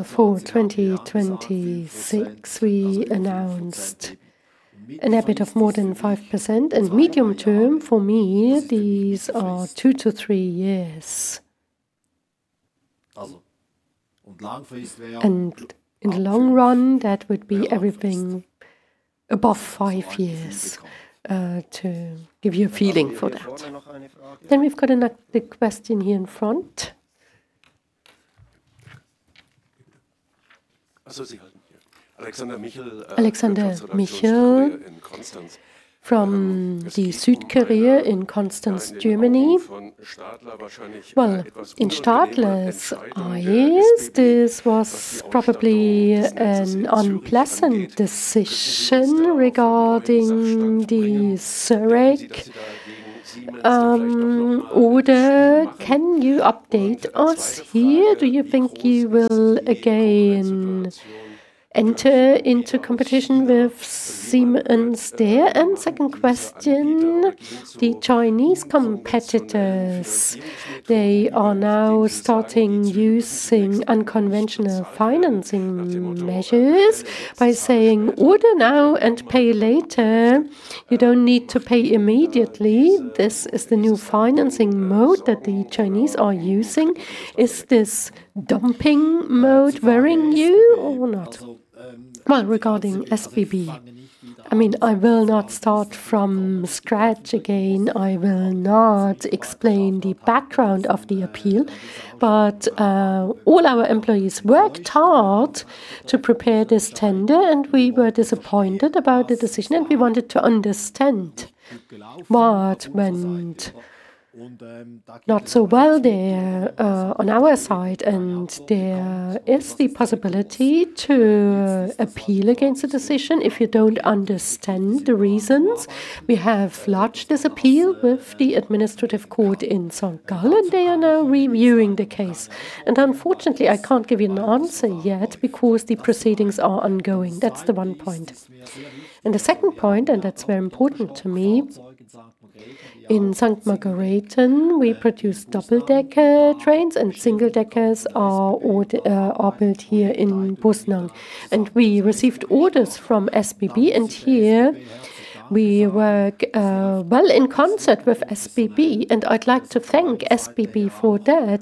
for 2026 we announced an EBIT of more than 5%. Medium-term, for me, these are two to three years. In the long run, that would be everything above five years to give you a feeling for that. We've got another question here in front. Alexander Michel from Südkurier in Constance, Germany. Well, in Stadler's eyes, this was probably an unpleasant decision regarding the Zurich order. Can you update us here? Do you think you will again enter into competition with Siemens there? Second question, the Chinese competitors, they are now starting using unconventional financing measures by saying, "Order now and pay later. You don't need to pay immediately." This is the new financing mode that the Chinese are using. Is this dumping mode worrying you or not? Well, regarding SBB, I mean, I will not start from scratch again. I will not explain the background of the appeal. All our employees worked hard to prepare this tender, and we were disappointed about the decision, and we wanted to understand what went not so well there, on our side. There is the possibility to appeal against the decision if you don't understand the reasons. We have lodged this appeal with the administrative court in St. Gallen. They are now reviewing the case. Unfortunately, I can't give you an answer yet because the proceedings are ongoing. That's the one point. The second point, and that's very important to me. In Sankt Margarethen, we produce double-decker trains and single-deckers are built here in Bussnang. We received orders from SBB, and here we work, well in concert with SBB, and I'd like to thank SBB for that.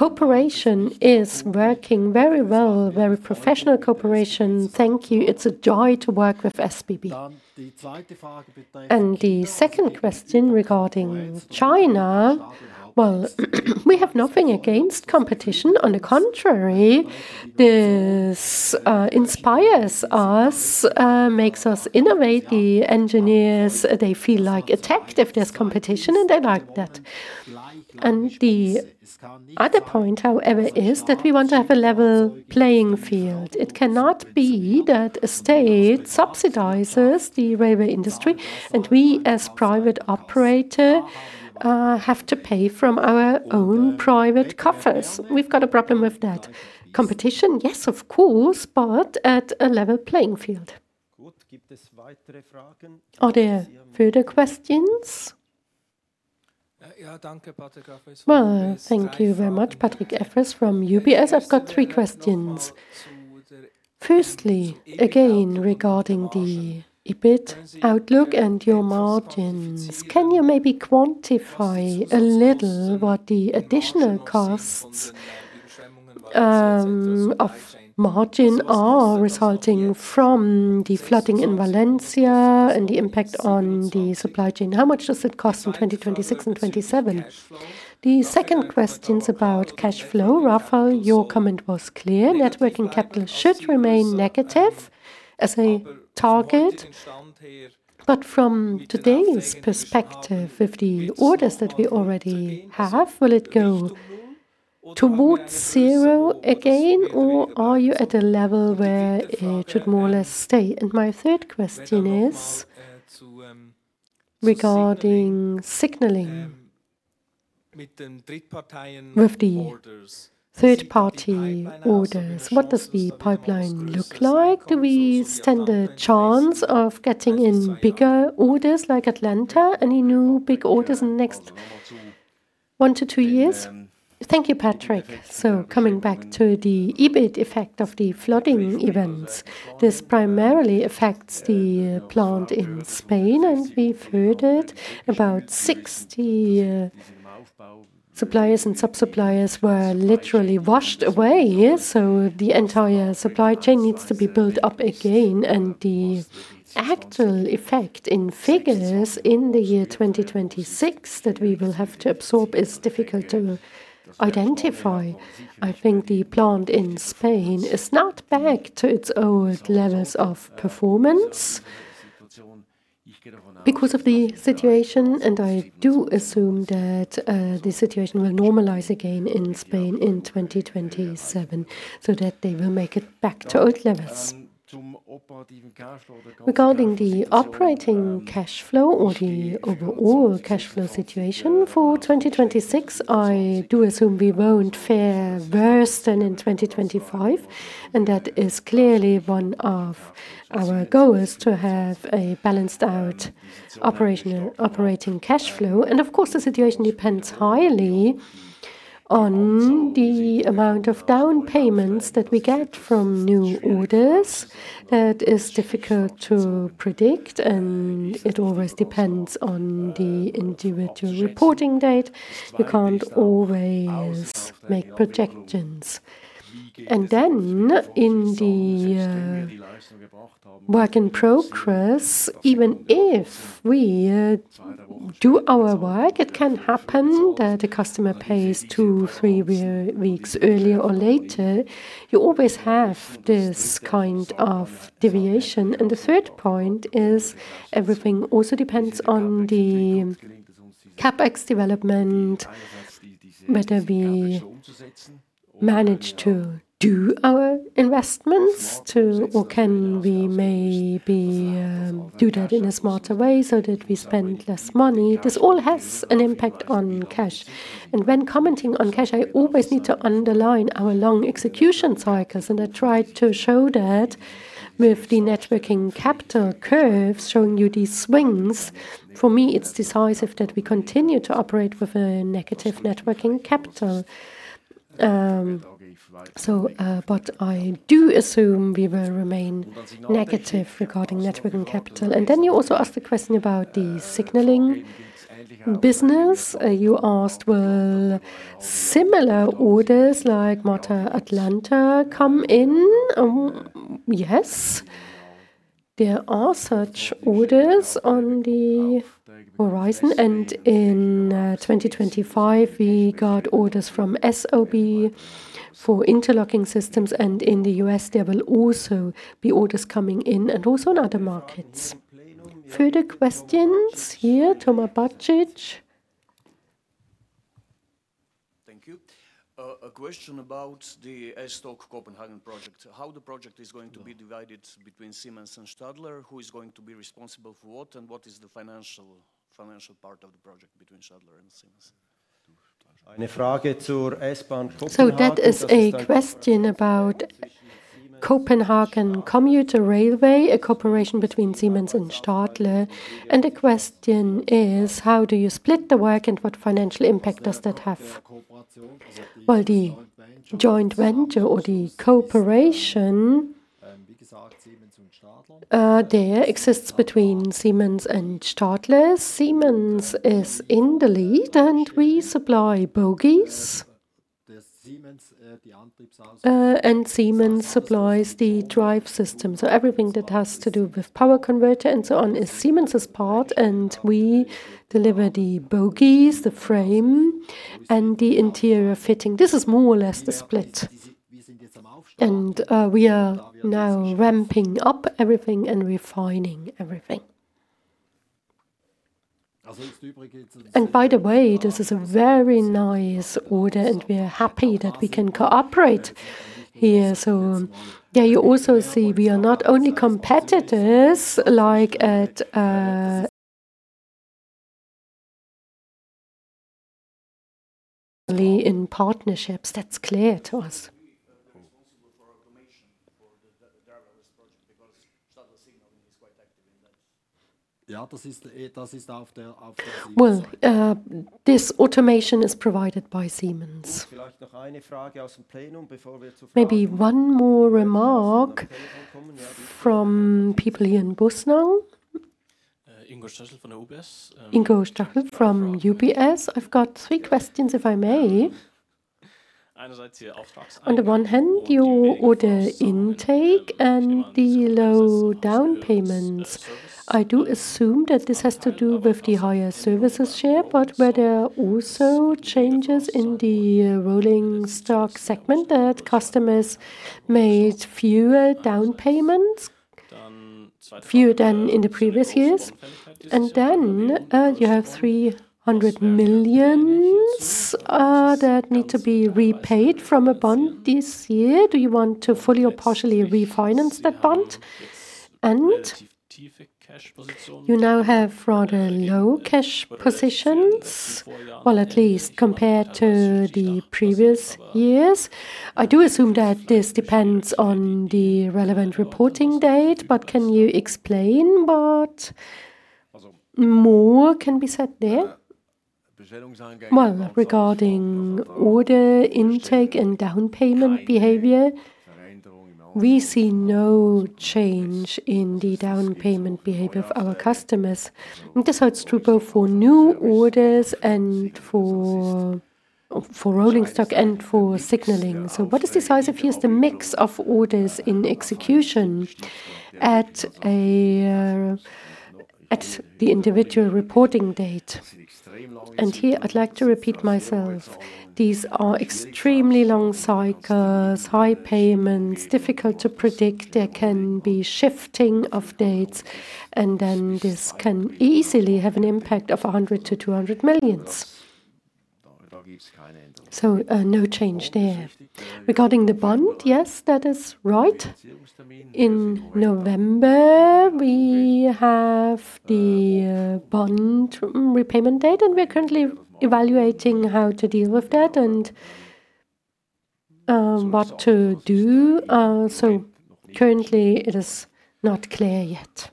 Cooperation is working very well, very professional cooperation. Thank you. It's a joy to work with SBB. The second question regarding China, well, we have nothing against competition. On the contrary, this inspires us, makes us innovate. The engineers, they feel like attacked if there's competition, and they like that. The other point, however, is that we want to have a level playing field. It cannot be that a state subsidizes the railway industry and we as private operator have to pay from our own private coffers. We've got a problem with that. Competition, yes, of course, but at a level playing field. Are there further questions? Well, thank you very much. Patrick Efrém from UBS. I've got three questions. Firstly, again, regarding the EBIT outlook and your margins, can you maybe quantify a little what the additional costs of margin are resulting from the flooding in Valencia and the impact on the supply chain? How much does it cost in 2026 and 2027? The second question's about cash flow. Raphael, your comment was clear. Net working capital should remain negative as a target. From today's perspective, with the orders that we already have, will it go towards zero again, or are you at a level where it should more or less stay? My third question is, regarding signaling with the third-party orders, what does the pipeline look like? Do we stand a chance of getting in bigger orders like Atlanta? Any new big orders in next one to two years? Thank you, Patrick. Coming back to the EBIT effect of the flooding events, this primarily affects the plant in Spain, as we've heard it. About 60 suppliers and sub-suppliers were literally washed away, so the entire supply chain needs to be built up again. The actual effect in figures in the year 2026 that we will have to absorb is difficult to identify. I think the plant in Spain is not back to its old levels of performance because of the situation, and I do assume that, the situation will normalize again in Spain in 2027 so that they will make it back to old levels. Regarding the operating cash flow or the overall cash flow situation for 2026, I do assume we won't fare worse than in 2025, and that is clearly one of our goals, to have a balanced out operating cash flow. Of course, the situation depends highly on the amount of down payments that we get from new orders. That is difficult to predict, and it always depends on the individual reporting date. We can't always make projections. Then in the work in progress, even if we do our work, it can happen that a customer pays two, three weeks earlier or later. You always have this kind of deviation. The third point is everything also depends on the CapEx development, whether we manage to do our investments to or can we maybe, do that in a smarter way so that we spend less money. This all has an impact on cash. When commenting on cash, I always need to underline our long execution cycles, and I tried to show that with the net working capital curves showing you these swings. For me, it's decisive that we continue to operate with a negative net working capital. But I do assume we will remain negative regarding net working capital. Then you also asked a question about the signaling business. You asked will similar orders like MARTA Atlanta come in? Yes. There are such orders on the horizon. In 2025 we got orders from SOB for interlocking systems, and in the U.S. There will also be orders coming in and also in other markets. Further questions? Here, Toma Bacic. Thank you. A question about the S-Tog Copenhagen project. How the project is going to be divided between Siemens and Stadler, who is going to be responsible for what, and what is the financial part of the project between Stadler and Siemens? That is a question about Copenhagen Commuter Railway, a cooperation between Siemens and Stadler. The question is, how do you split the work and what financial impact does that have? Well, the joint venture or the cooperation there exists between Siemens and Stadler. Siemens is in the lead, and we supply bogies. Siemens supplies the drive system. Everything that has to do with power converter and so on is Siemens' part, and we deliver the bogies, the frame, and the interior fitting. This is more or less the split. We are now ramping up everything and refining everything. By the way, this is a very nice order, and we are happy that we can cooperate here. Yeah, you also see we are not only competitors like at, in partnerships. That's clear to us. Responsible for automation for the S-Tog project, because Stadler Signaling is quite active in that. Well, this automation is provided by Siemens. Maybe one more remark from people here in Bussnang. Ingo Stachel from UBS. Ingo Stachel from UBS. I've got three questions, if I may. On the one hand, your order intake and the low down payments, I do assume that this has to do with the higher services share, but were there also changes in the rolling stock segment that customers made fewer down payments, fewer than in the previous years? And then, you have 300 million that need to be repaid from a bond this year. Do you want to fully or partially refinance that bond? And you now have rather low cash positions. Well, at least compared to the previous years. I do assume that this depends on the relevant reporting date, but can you explain what more can be said there? Well, regarding order intake and down payment behavior, we see no change in the down payment behavior of our customers. This holds true both for new orders and for rolling stock and for signaling. What is decisive here is the mix of orders in execution at the individual reporting date. Here I'd like to repeat myself. These are extremely long cycles, high payments, difficult to predict. There can be shifting of dates, and then this can easily have an impact of 100 million-200 million. No change there. Regarding the bond, yes, that is right. In November, we have the bond repayment date, and we are currently evaluating how to deal with that and what to do. Currently it is not clear yet.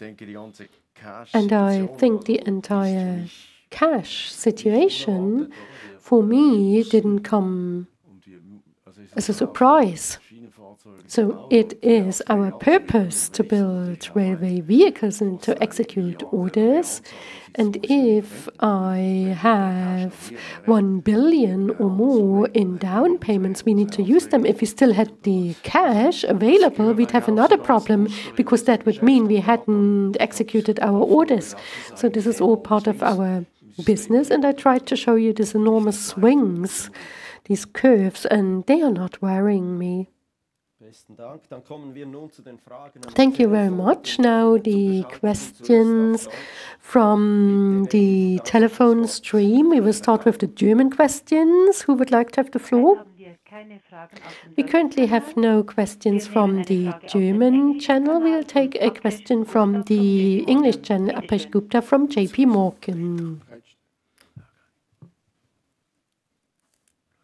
I think the entire cash situation for me didn't come as a surprise. It is our purpose to build railway vehicles and to execute orders. If I have 1 billion or more in down payments, we need to use them. If we still had the cash available, we'd have another problem because that would mean we hadn't executed our orders. This is all part of our business, and I tried to show you these enormous swings, these curves, and they are not worrying me. Thank you very much. Now the questions from the telephone stream. We will start with the German questions. Who would like to have the floor? We currently have no questions from the German channel. We'll take a question from the English channel. Akash Gupta from JPMorgan.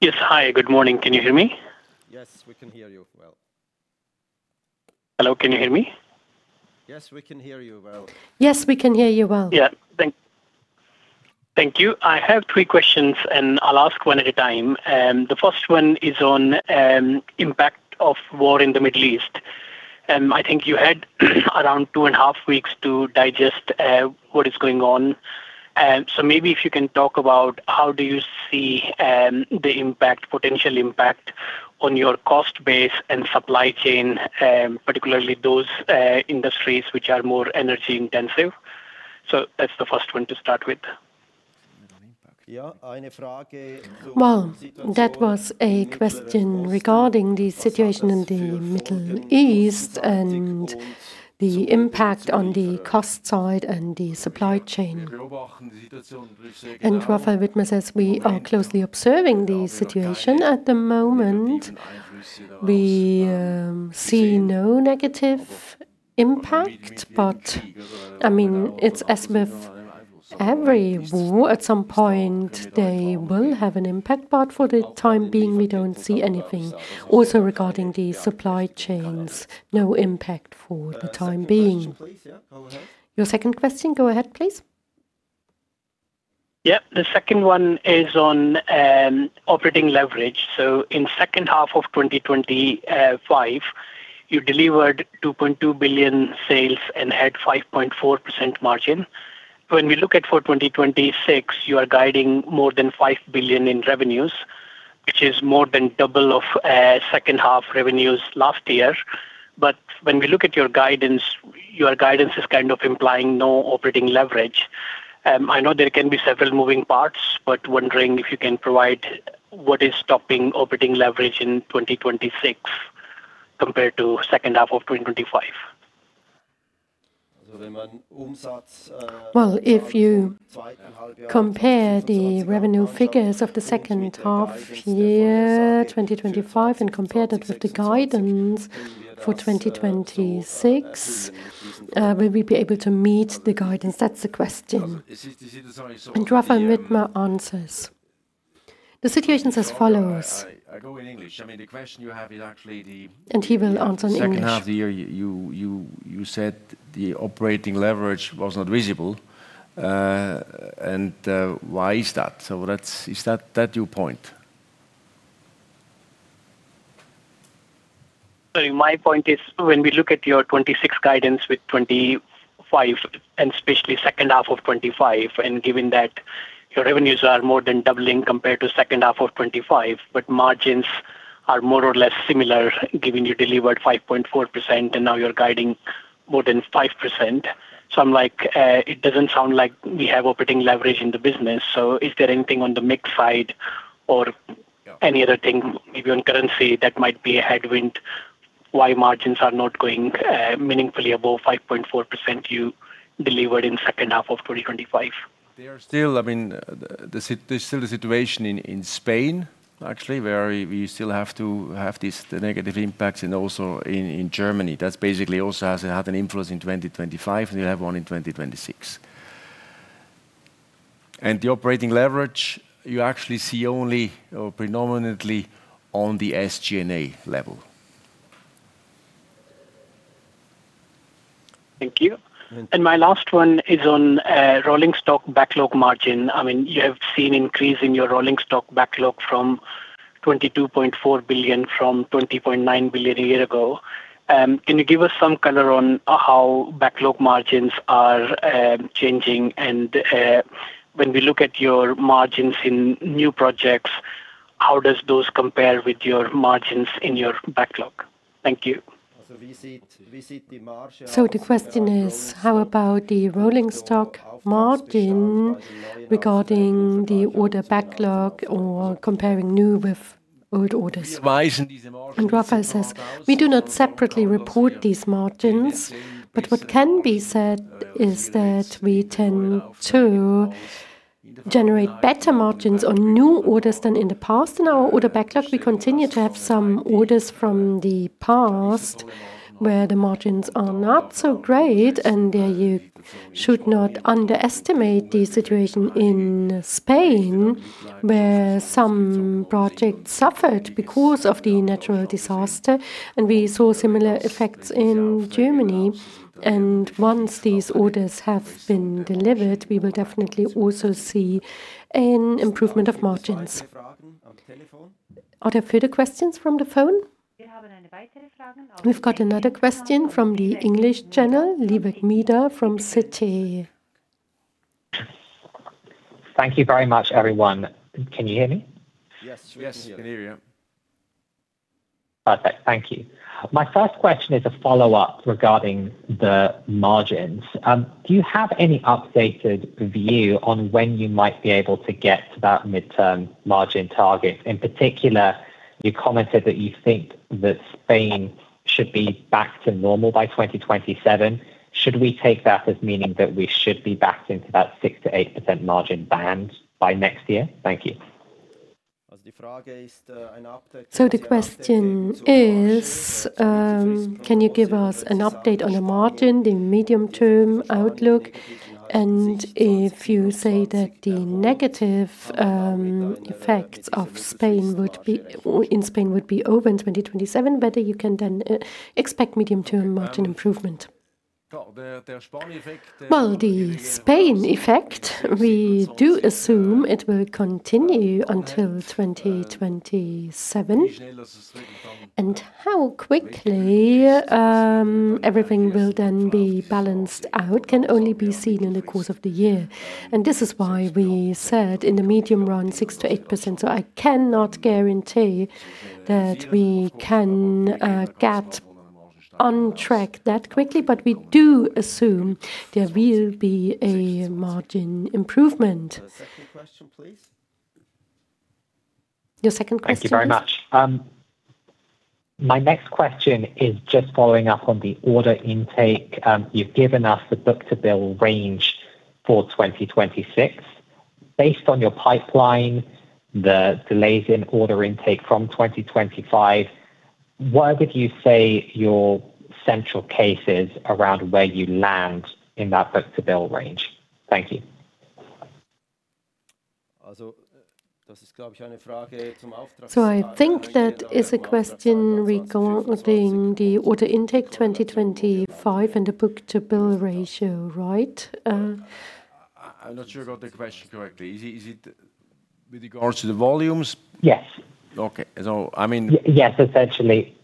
Yes. Hi, good morning. Can you hear me? Yes, we can hear you well. Hello, can you hear me? Yes, we can hear you well. Yes, we can hear you well. Thank you. I have three questions, and I'll ask one at a time. The first one is on impact of war in the Middle East. I think you had around two and a half weeks to digest what is going on. Maybe if you can talk about how do you see the impact, potential impact on your cost base and supply chain, particularly those industries which are more energy intensive. That's the first one to start with. Well, that was a question regarding the situation in the Middle East and the impact on the cost side and the supply chain. Raphael Widmer says, we are closely observing the situation at the moment. We see no negative impact, but I mean, it's as with every war, at some point they will have an impact, but for the time being, we don't see anything. Also regarding the supply chains, no impact for the time being. Second question, please. Yeah, go ahead. Your second question, go ahead, please. Yep. The second one is on operating leverage. In second half of 2025, you delivered 2.2 billion sales and had 5.4% margin. When we look at for 2026, you are guiding more than 5 billion in revenues, which is more than double of second half revenues last year. When we look at your guidance, your guidance is kind of implying no operating leverage. I know there can be several moving parts, but wondering if you can provide what is stopping operating leverage in 2026 compared to second half of 2025. Well, if you compare the revenue figures of the second half year 2025 and compare that with the guidance for 2026, will we be able to meet the guidance? That's the question. Raphael Widmer answers. The situation's as follows. I go in English. I mean, the question you have is actually the He will answer in English. Second half of the year, you said the operating leverage was not visible. Why is that? Is that your point? Sorry, my point is when we look at your 2026 guidance with 2025, and especially second half of 2025, and given that your revenues are more than doubling compared to second half of 2025, but margins are more or less similar, given you delivered 5.4% and now you're guiding more than 5%. I'm like, it doesn't sound like we have operating leverage in the business. Is there anything on the mix side or any other thing, maybe on currency that might be a headwind why margins are not going meaningfully above 5.4% you delivered in second half of 2025? There's still, I mean, the situation in Spain, actually, where we still have to have this, the negative impacts and also in Germany. That's basically also has had an influence in 2025, and you'll have one in 2026. The operating leverage, you actually see only or predominantly on the SG&A level. Thank you. Mm-hmm. My last one is on rolling stock backlog margin. I mean, you have seen increase in your rolling stock backlog from 20.9 billion-22.4 billion a year ago. Can you give us some color on how backlog margins are changing? When we look at your margins in new projects, how does those compare with your margins in your backlog? Thank you. The question is, how about the rolling stock margin regarding the order backlog or comparing new with old orders? Raphael Widmer says, "We do not separately report these margins, but what can be said is that we tend to generate better margins on new orders than in the past. In our order backlog, we continue to have some orders from the past where the margins are not so great, and there you should not underestimate the situation in Spain, where some projects suffered because of the natural disaster, and we saw similar effects in Germany. Once these orders have been delivered, we will definitely also see an improvement of margins." Are there further questions from the phone? We've got another question from the English channel. Liebeck Mida from Citi. Thank you very much, everyone. Can you hear me? Yes. Yes, we can hear you. Perfect. Thank you. My first question is a follow-up regarding the margins. Do you have any updated view on when you might be able to get to that midterm margin target? In particular, you commented that you think that Spain should be back to normal by 2027. Should we take that as meaning that we should be back into that 6%-8% margin band by next year? Thank you. The question is, can you give us an update on the margin, the medium-term outlook? And if you say that the negative effects in Spain would be over in 2027, whether you can then expect medium-term margin improvement. The Spain effect, we do assume it will continue until 2027. How quickly everything will then be balanced out can only be seen in the course of the year. This is why we said in the medium run 6%-8%. I cannot guarantee that we can get on track that quickly. We do assume there will be a margin improvement. Second question, please. Your second question is? Thank you very much. My next question is just following up on the order intake. You've given us the book-to-bill range for 2026. Based on your pipeline, the delays in order intake from 2025, where would you say your central case is around where you land in that book-to-bill range? Thank you. I think that is a question regarding the order intake 2025 and the book-to-bill ratio, right? I'm not sure I got the question correctly. Is it with regards to the volumes? Yes. Okay. I mean. Yes. Essentially,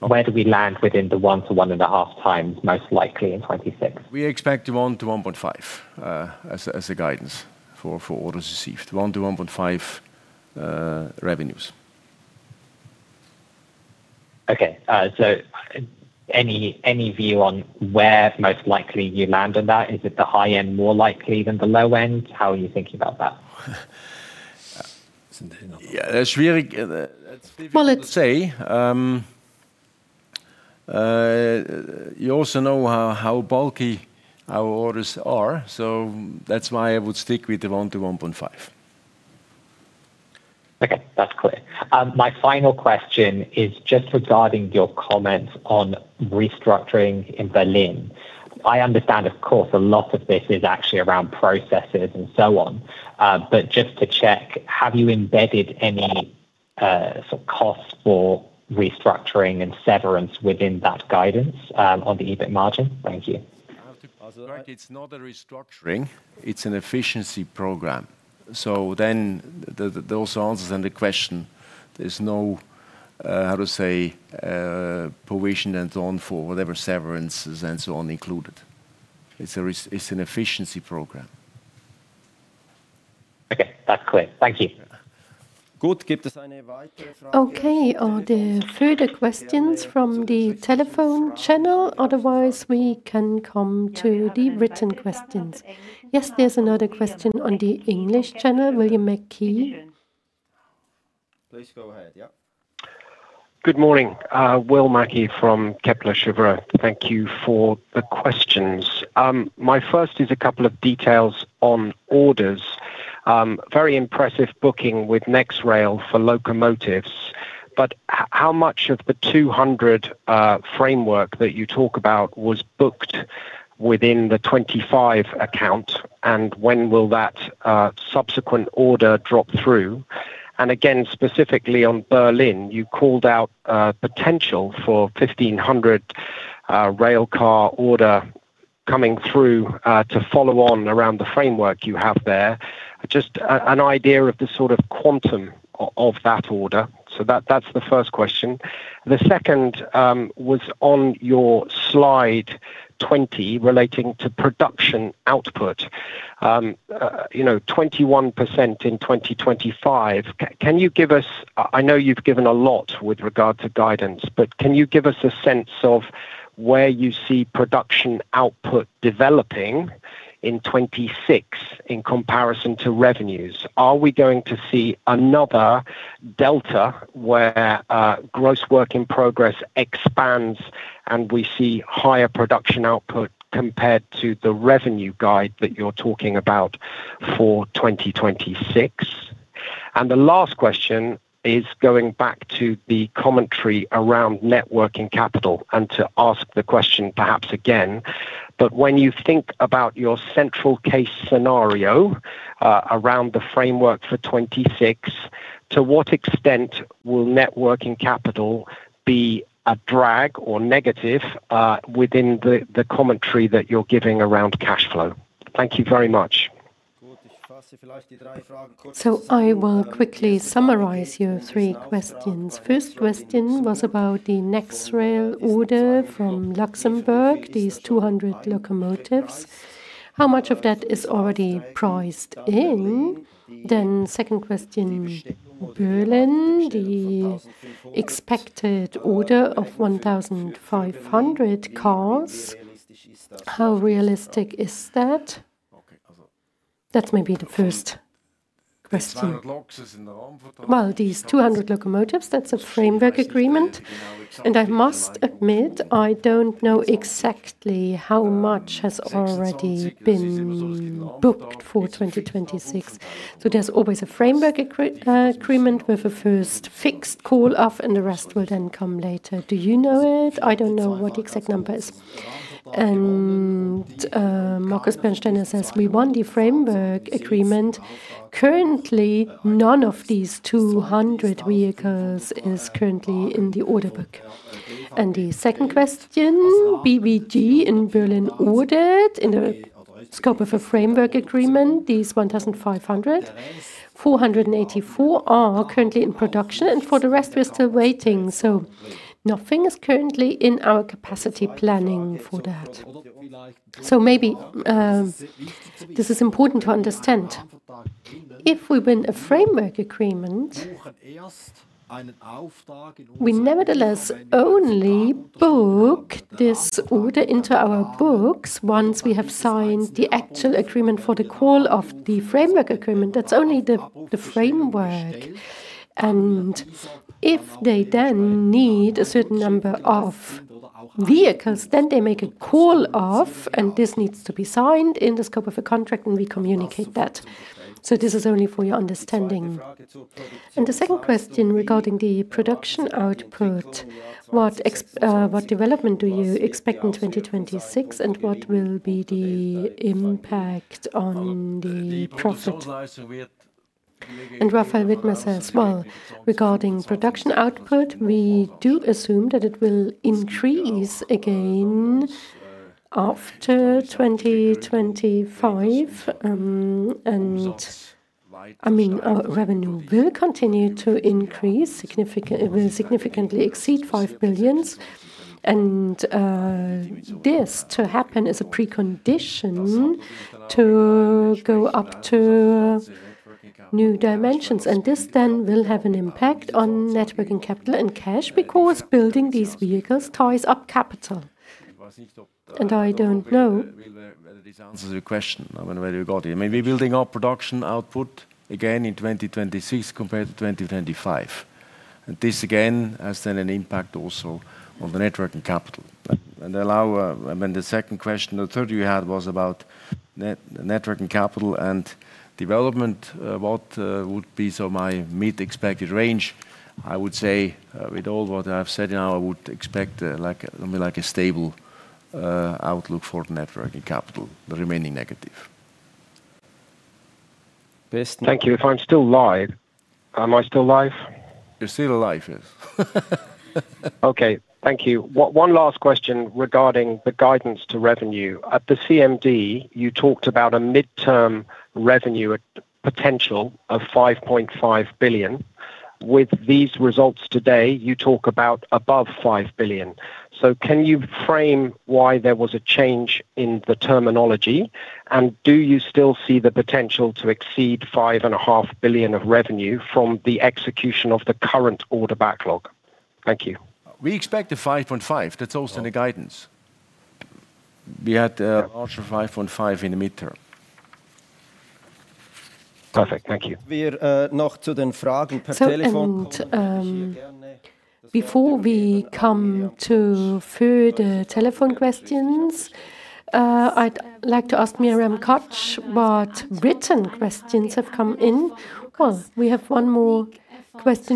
where do we land within the 1x-1.5x most likely in 2026. We expect 1-1.5 as a guidance for orders received. 1-1.5 revenues. Okay. Any view on where most likely you land on that? Is it the high end more likely than the low end? How are you thinking about that? Yeah, that's really, that's difficult to say. You also know how bulky our orders are, so that's why I would stick with the 1-1.5. Okay, that's clear. My final question is just regarding your comments on restructuring in Berlin. I understand, of course, a lot of this is actually around processes and so on. But just to check, have you embedded any sort of costs for restructuring and severance within that guidance on the EBIT margin? Thank you. It's not a restructuring, it's an efficiency program. Those answers to the question, there's no, how to say, provision and so on for whatever severances and so on included. It's an efficiency program. Okay. That's clear. Thank you. Okay. Are there further questions from the telephone channel? Otherwise, we can come to the written questions. Yes, there's another question on the English channel. William Mackie. Please go ahead. Yeah. Good morning. William Mackey from Kepler Cheuvreux. Thank you for the questions. My first is a couple of details on orders. Very impressive booking with NexRail for locomotives, but how much of the 200 framework that you talk about was booked within the 25 account, and when will that subsequent order drop through? Again, specifically on Berlin, you called out a potential for 1,500 rail car order coming through to follow on around the framework you have there. Just an idea of the sort of quantum of that order. That's the first question. The second was on your slide 20 relating to production output. You know, 21% in 2025. Can you give us... I know you've given a lot with regard to guidance, but can you give us a sense of where you see production output developing in 2026 in comparison to revenues? Are we going to see another delta where gross work in progress expands and we see higher production output compared to the revenue guide that you're talking about for 2026? The last question is going back to the commentary around net working capital, and to ask the question perhaps again, but when you think about your central case scenario around the framework for 2026, to what extent will net working capital be a drag or negative within the commentary that you're giving around cash flow? Thank you very much. I will quickly summarize your three questions. First question was about the Nexrail order from Luxembourg, these 200 locomotives. How much of that is already priced in? Second question, Berlin, the expected order of 1,500 cars. How realistic is that? That may be the first question. These 200 locomotives, that's a framework agreement. I must admit, I don't know exactly how much has already been booked for 2026. There's always a framework agreement with the first fixed call off and the rest will then come later. Do you know it? I don't know what the exact number is. Markus Bernsteiner then says, we won the framework agreement. Currently, none of these 200 vehicles is currently in the order book. The second question, BVG in Berlin ordered in a scope of a framework agreement, these 1,500, 484 are currently in production, and for the rest, we're still waiting. Nothing is currently in our capacity planning for that. Maybe this is important to understand. If we win a framework agreement, we nevertheless only book this order into our books once we have signed the actual agreement for the call of the framework agreement. That's only the framework. If they then need a certain number of vehicles, then they make a call of, and this needs to be signed in the scope of a contract, and we communicate that. This is only for your understanding. The second question regarding the production output, what development do you expect in 2026, and what will be the impact on the profit? Raphael Widmer says, well, regarding production output, we do assume that it will increase again after 2025. I mean, our revenue will continue to increase significant. It will significantly exceed 5 billion. This to happen is a precondition to go up to new dimensions, and this then will have an impact on net working capital and cash, because building these vehicles ties up capital. I don't know. Whether this answers your question. I mean, where you got it. I mean, we're building our production output again in 2026 compared to 2025. This again has then an impact also on the net working capital. Also, I mean, the second question, the third you had was about net working capital and development, what would be so my mid expected range. I would say with all what I've said now, I would expect like a stable outlook for net working capital remaining negative. Best. Thank you. If I'm still live? Am I still live? You're still alive, yes. Okay. Thank you. One last question regarding the guidance to revenue. At the CMD, you talked about a midterm revenue potential of 5.5 billion. With these results today, you talk about above 5 billion. Can you frame why there was a change in the terminology? And do you still see the potential to exceed 5.5 billion of revenue from the execution of the current order backlog? Thank you. We expect a 5.5%. That's also in the guidance. We had larger 5.5% in the midterm. Perfect. Thank you. Before we come to further telephone questions, I'd like to ask Myriam Koch what written questions have come in. Well, we have one more question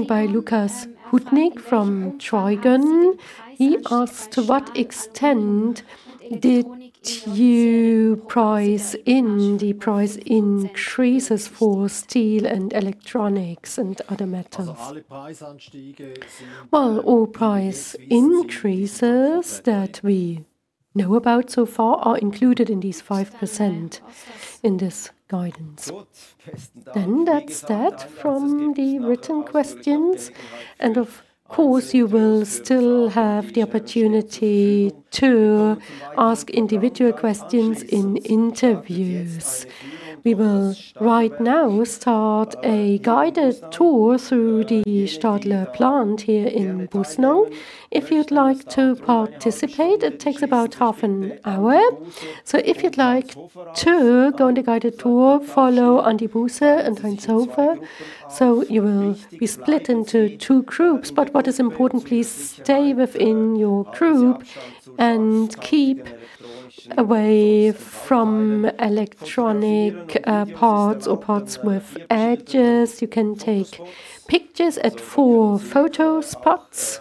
by Lukas Hüttner from Treugeln. He asks: To what extent did you price in the price increases for steel and electronics and other matters? Well, all price increases that we know about so far are included in these 5% in this guidance. That's that from the written questions. Of course, you will still have the opportunity to ask individual questions in interviews. We will right now start a guided tour through the Stadler plant here in Bussnang. If you'd like to participate, it takes about half an hour. If you'd like to go on the guided tour, follow Andy Busse and Heinz Hofer, so you will be split into two groups. What is important, please stay within your group and keep away from electronic parts or parts with edges. You can take pictures at four photo spots.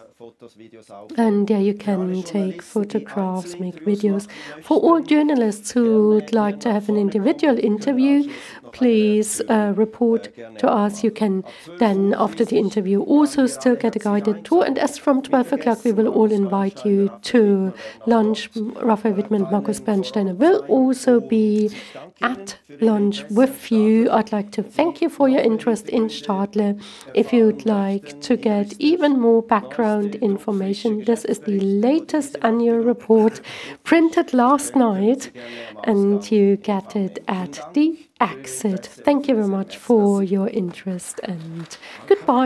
Yeah, you can take photographs, make videos. For all journalists who would like to have an individual interview, please report to us. You can then, after the interview, also still get a guided tour. As from 12:00 P.M., we will all invite you to lunch. Raphael Widmer and Markus Bernsteiner will also be at lunch with you. I'd like to thank you for your interest in Stadler. If you would like to get even more background information, this is the latest annual report printed last night, and you get it at the exit. Thank you very much for your interest, and goodbye.